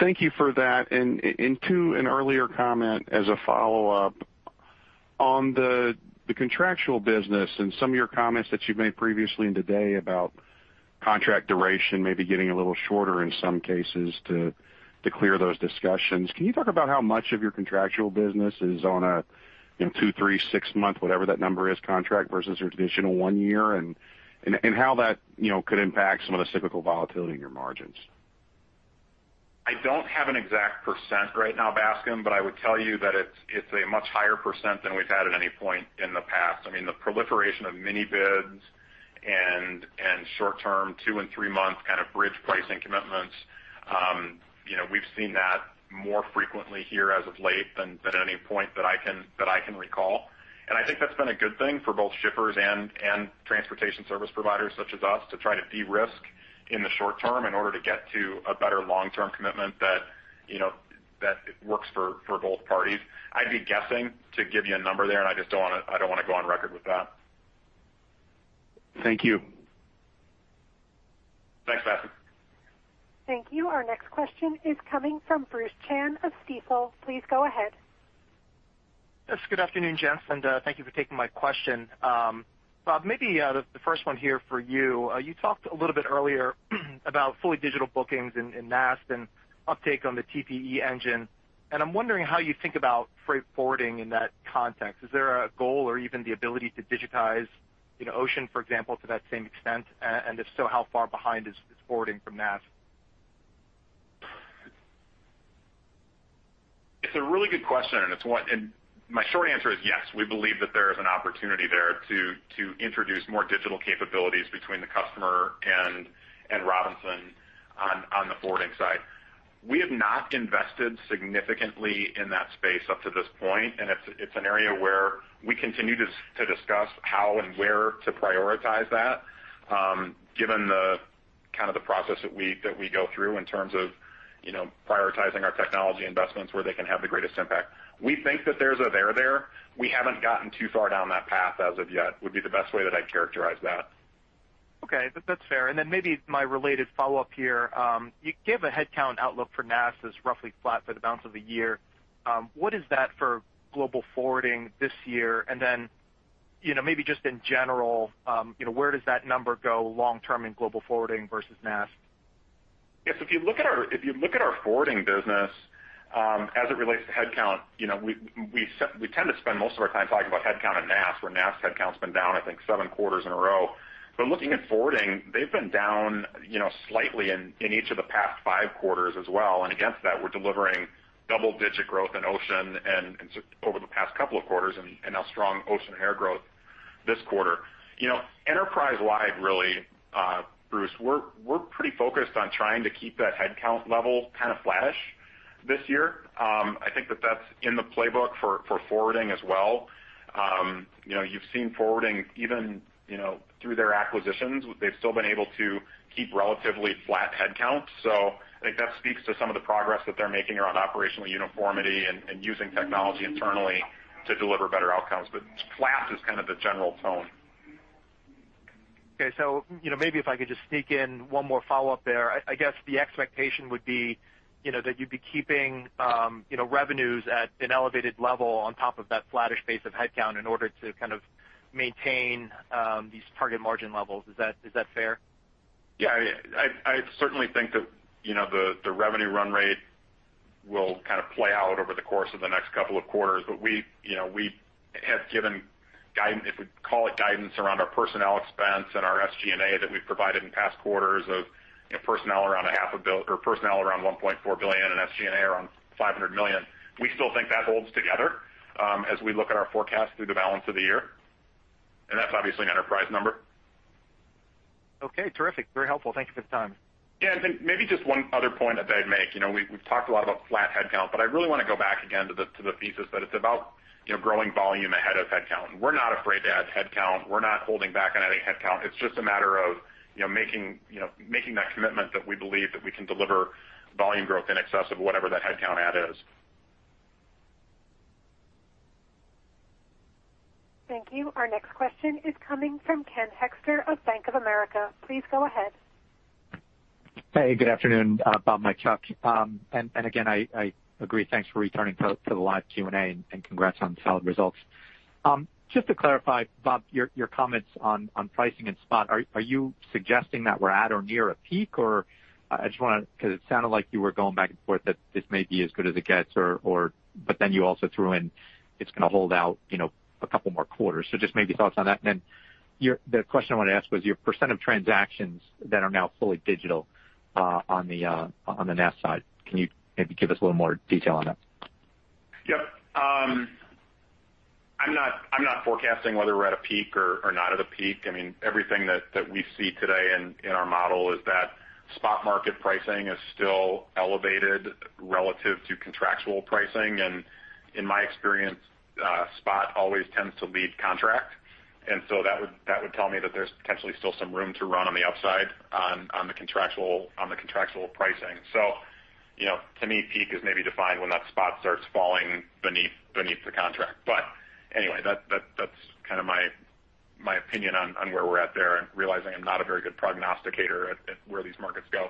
Thank you for that. To an earlier comment as a follow-up, on the contractual business and some of your comments that you've made previously and today about contract duration maybe getting a little shorter in some cases to clear those discussions, can you talk about how much of your contractual business is on a two, three, six-month, whatever that number is, contract versus your traditional one year, and how that could impact some of the cyclical volatility in your margins? I don't have an exact percent right now, Bascome, but I would tell you that it's a much higher percent than we've had at any point in the past. The proliferation of mini bids and short-term two and three-month kind of bridge pricing commitments, we've seen that more frequently here as of late than at any point that I can recall. I think that's been a good thing for both shippers and transportation service providers such as us to try to de-risk in the short-term in order to get to a better long-term commitment that works for both parties. I'd be guessing to give you a number there, and I don't want to go on record with that. Thank you. Thanks, Bascome. Thank you. Our next question is coming from Bruce Chan of Stifel. Please go ahead. Yes, good afternoon, gents, and thank you for taking my question. Bob, maybe the first one here for you. You talked a little bit earlier about fully digital bookings in NAST and uptake on the TPE engine, and I'm wondering how you think about freight forwarding in that context. Is there a goal or even the ability to digitize in ocean, for example, to that same extent? If so, how far behind is forwarding from NAST? It's a really good question, and my short answer is yes, we believe that there is an opportunity there to introduce more digital capabilities between the customer and Robinson on the forwarding side. We have not invested significantly in that space up to this point, and it's an area where we continue to discuss how and where to prioritize that given the kind of the process that we go through in terms of prioritizing our technology investments where they can have the greatest impact. We think that there's a there there. We haven't gotten too far down that path as of yet, would be the best way that I'd characterize that. Okay. That's fair. Maybe my related follow-up here. You gave a headcount outlook for NAST as roughly flat for the balance of the year. What is that for global forwarding this year? Maybe just in general, where does that number go long-term in global forwarding versus NAST? Yes, if you look at our forwarding business as it relates to headcount, we tend to spend most of our time talking about headcount and NAST, where NAST headcount's been down, I think, seven quarters in a row. Looking at forwarding, they've been down slightly in each of the past five quarters as well. Against that, we're delivering double-digit growth in ocean over the past couple of quarters and now strong ocean air growth this quarter. Enterprise-wide, really, Bruce, we're pretty focused on trying to keep that headcount level kind of flattish this year. I think that that's in the playbook for forwarding as well. You've seen forwarding even through their acquisitions. They've still been able to keep relatively flat headcounts. I think that speaks to some of the progress that they're making around operational uniformity and using technology internally to deliver better outcomes. Flat is kind of the general tone. Maybe if I could just sneak in one more follow-up there. I guess the expectation would be that you'd be keeping revenues at an elevated level on top of that flattish base of headcount in order to kind of maintain these target margin levels. Is that fair? Yeah, I certainly think that the revenue run rate will kind of play out over the course of the next couple of quarters. We have given guidance, if we call it guidance, around our personnel expense and our SG&A that we've provided in past quarters of personnel around $1.4 billion and SG&A around $500 million. We still think that holds together as we look at our forecast through the balance of the year, and that's obviously an enterprise number. Okay, terrific. Very helpful. Thank you for the time. Yeah. Then maybe just one other point that I'd make. We've talked a lot about flat headcount, but I really want to go back again to the thesis that it's about growing volume ahead of headcount. We're not afraid to add headcount. We're not holding back on adding headcount. It's just a matter of making that commitment that we believe that we can deliver volume growth in excess of whatever that headcount add is. Thank you. Our next question is coming from Ken Hoexter of Bank of America. Please go ahead. Hey, good afternoon, Bob, Mike, Chuck. Again, I agree, thanks for returning to the live Q&A, and congrats on the solid results. Just to clarify, Bob, your comments on pricing and spot. Are you suggesting that we're at or near a peak, because it sounded like you were going back and forth that this may be as good as it gets, but then you also threw in, it's going to hold out a couple more quarters. Just maybe thoughts on that. The question I wanted to ask was your percent of transactions that are now fully digital on the NAST side. Can you maybe give us a little more detail on that? Yep. I'm not forecasting whether we're at a peak or not at a peak. Everything that we see today in our model is that spot market pricing is still elevated relative to contractual pricing. In my experience, spot always tends to lead contract. That would tell me that there's potentially still some room to run on the upside on the contractual pricing. To me, peak is maybe defined when that spot starts falling beneath the contract. Anyway, that's kind of my opinion on where we're at there and realizing I'm not a very good prognosticator at where these markets go.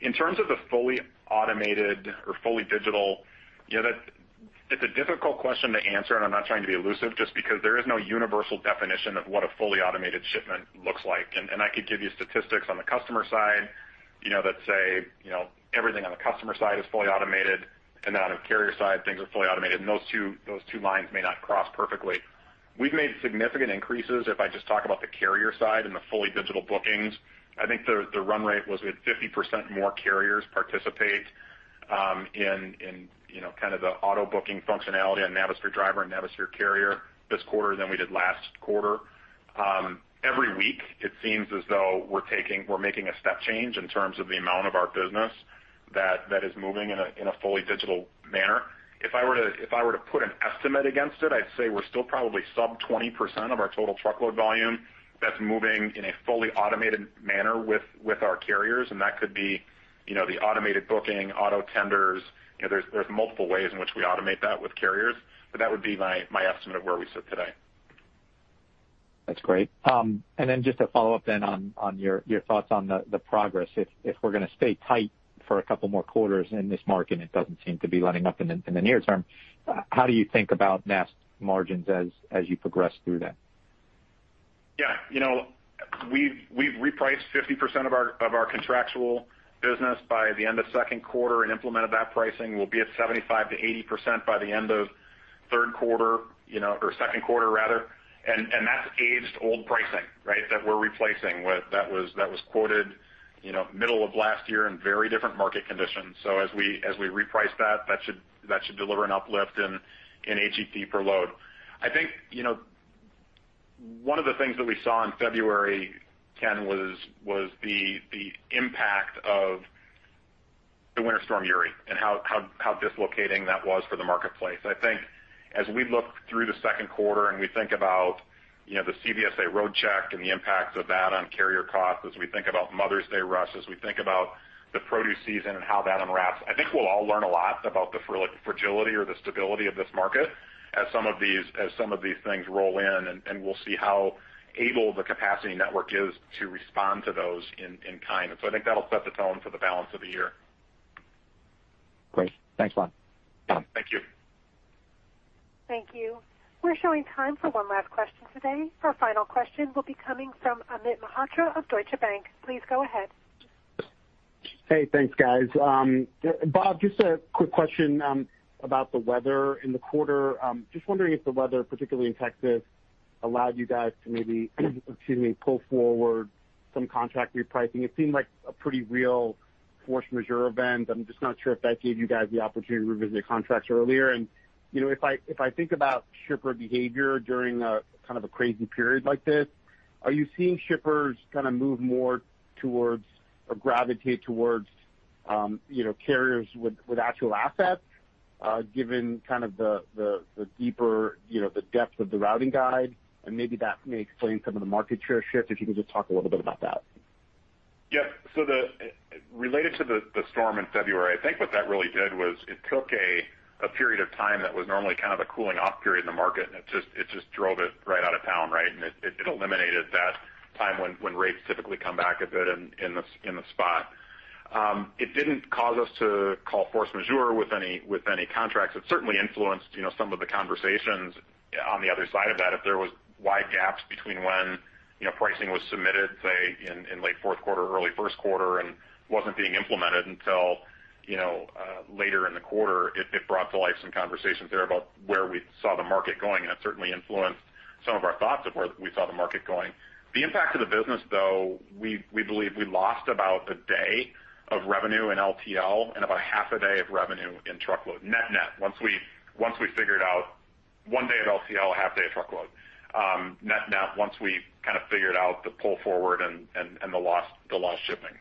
In terms of the fully automated or fully digital, it's a difficult question to answer, and I'm not trying to be elusive just because there is no universal definition of what a fully automated shipment looks like. I could give you statistics on the customer side that say everything on the customer side is fully automated, and then on the carrier side, things are fully automated, and those two lines may not cross perfectly. We've made significant increases. If I just talk about the carrier side and the fully digital bookings, I think the run rate was we had 50% more carriers participate in kind of the auto-booking functionality on Navisphere Driver and Navisphere Carrier this quarter than we did last quarter. Every week, it seems as though we're making a step change in terms of the amount of our business that is moving in a fully digital manner. If I were to put an estimate against it, I'd say we're still probably sub 20% of our total truckload volume that's moving in a fully automated manner with our carriers, and that could be the automated booking, auto tenders. There's multiple ways in which we automate that with carriers, but that would be my estimate of where we sit today. That's great. Just a follow-up then on your thoughts on the progress. If we're going to stay tight for a couple more quarters in this market, it doesn't seem to be letting up in the near term. How do you think about NAST margins as you progress through that? Yeah. We've repriced 50% of our contractual business by the end of second quarter and implemented that pricing. We'll be at 75%-80% by the end of third quarter, or second quarter rather. That's age-old pricing that we're replacing that was quoted middle of last year in very different market conditions. As we reprice that should deliver an uplift in AGP per load. I think one of the things that we saw in February, Ken, was the impact of the Winter Storm Uri and how dislocating that was for the marketplace. I think as we look through the second quarter and we think about the CVSA Roadcheck and the impact of that on carrier costs, as we think about Mother's Day rush, as we think about the produce season and how that unwraps, I think we'll all learn a lot about the fragility or the stability of this market as some of these things roll in, and we'll see how able the capacity network is to respond to those in kind. I think that'll set the tone for the balance of the year. Great. Thanks, Bob. Thank you. Thank you. We're showing time for one last question today. Our final question will be coming from Amit Mehrotra of Deutsche Bank. Please go ahead. Hey, thanks, guys. Bob, just a quick question about the weather in the quarter. Just wondering if the weather, particularly in Texas, allowed you guys to maybe pull forward some contract repricing. It seemed like a pretty real force majeure event, but I'm just not sure if that gave you guys the opportunity to revisit your contracts earlier. If I think about shipper behavior during a kind of a crazy period like this, are you seeing shippers kind of move more towards or gravitate towards carriers with actual assets given kind of the depth of the routing guide? Maybe that may explain some of the market share shift, if you can just talk a little bit about that. Yeah. Related to the storm in February, I think what that really did was it took a period of time that was normally kind of a cooling off period in the market, and it just drove it right out of town, right? It eliminated that time when rates typically come back a bit in the spot. It didn't cause us to call force majeure with any contracts. It certainly influenced some of the conversations on the other side of that. If there was wide gaps between when pricing was submitted, say, in late fourth quarter, early first quarter, and wasn't being implemented until later in the quarter, it brought to life some conversations there about where we saw the market going, and it certainly influenced some of our thoughts of where we saw the market going. The impact to the business, though, we believe we lost about a day of revenue in LTL and about half a day of revenue in truckload, net net. One day at LTL, a half day of truckload, net net, once we kind of figured out the pull forward and the lost shipping.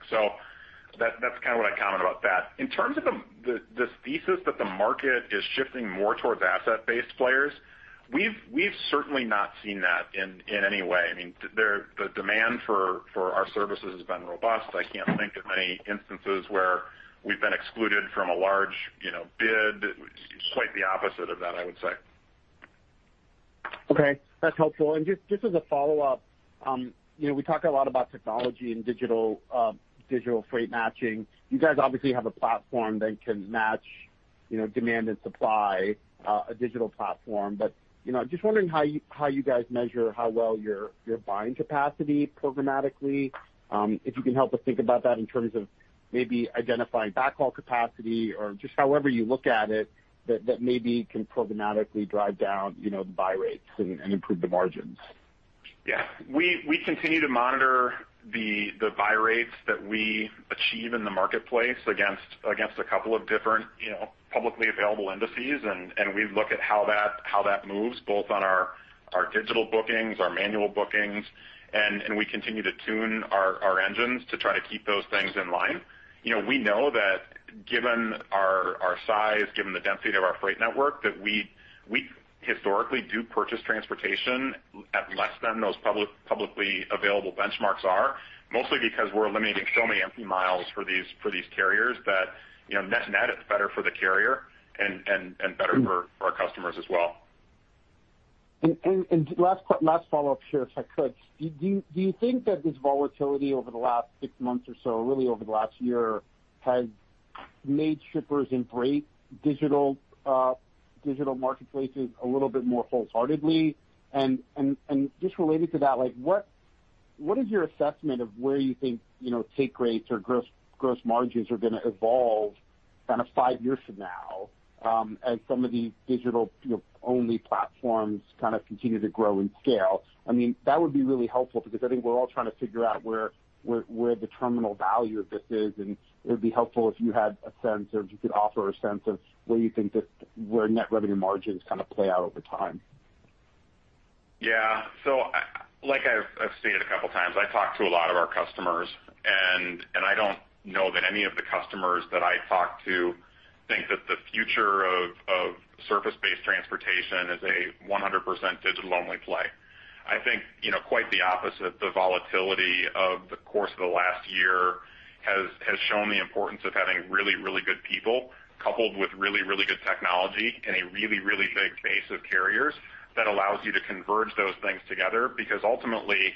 That's kind of what I comment about that. In terms of this thesis that the market is shifting more towards asset-based players, we've certainly not seen that in any way. I mean, the demand for our services has been robust. I can't think of many instances where we've been excluded from a large bid. Quite the opposite of that, I would say. Okay, that's helpful. Just as a follow-up, we talk a lot about technology and digital freight matching. You guys obviously have a platform that can match demand and supply, a digital platform. Just wondering how you guys measure how well you're buying capacity programmatically. If you can help us think about that in terms of maybe identifying backhaul capacity or just however you look at it, that maybe can programmatically drive down the buy rates and improve the margins. Yeah. We continue to monitor the buy rates that we achieve in the marketplace against a couple of different publicly available indices. We look at how that moves, both on our digital bookings, our manual bookings. We continue to tune our engines to try to keep those things in line. We know that given our size, given the density of our freight network, that we historically do purchase transportation at less than those publicly available benchmarks are, mostly because we're eliminating so many empty miles for these carriers that net-net, it's better for the carrier and better for our customers as well. Last follow-up here, if I could. Do you think that this volatility over the last six months or so, really over the last year, has made shippers embrace digital marketplaces a little bit more wholeheartedly? Just related to that, what is your assessment of where you think take rates or gross margins are going to evolve kind of five years from now as some of these digital-only platforms kind of continue to grow and scale? That would be really helpful because I think we're all trying to figure out where the terminal value of this is, and it would be helpful if you had a sense, or if you could offer a sense of where you think this, where net revenue margins kind of play out over time. Yeah. Like I've stated a couple of times, I talk to a lot of our customers, and I don't know that any of the customers that I talk to think that the future of surface-based transportation is a 100% digital-only play. I think quite the opposite. The volatility of the course of the last year has shown the importance of having really good people coupled with really good technology and a really big base of carriers that allows you to converge those things together. Ultimately,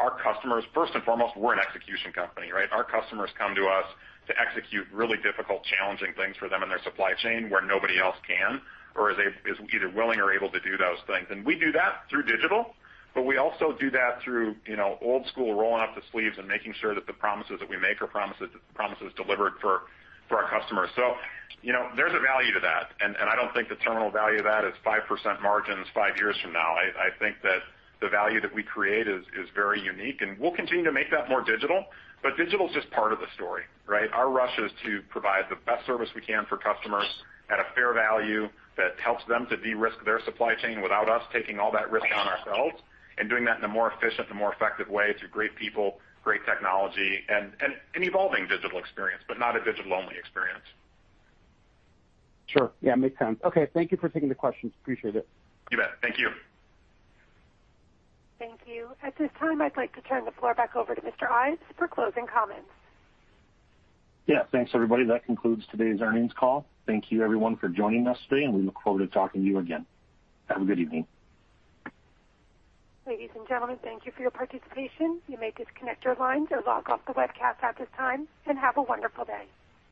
our customers, first and foremost, we're an execution company, right. Our customers come to us to execute really difficult, challenging things for them in their supply chain where nobody else can or is either willing or able to do those things. We do that through digital, but we also do that through old school rolling up the sleeves and making sure that the promises that we make are promises delivered for our customers. There's a value to that, and I don't think the terminal value of that is 5% margins five years from now. I think that the value that we create is very unique, and we'll continue to make that more digital. Digital is just part of the story, right? Our rush is to provide the best service we can for customers at a fair value that helps them to de-risk their supply chain without us taking all that risk on ourselves, and doing that in a more efficient and more effective way through great people, great technology, and an evolving digital experience, but not a digital-only experience. Sure. Yeah, makes sense. Okay. Thank you for taking the questions. Appreciate it. You bet. Thank you. Thank you. At this time, I'd like to turn the floor back over to Mr. Ives for closing comments. Yeah. Thanks, everybody. That concludes today's earnings call. Thank you everyone for joining us today, and we look forward to talking to you again. Have a good evening. Ladies and gentlemen, thank you for your participation. You may disconnect your lines or log off the webcast at this time, and have a wonderful day.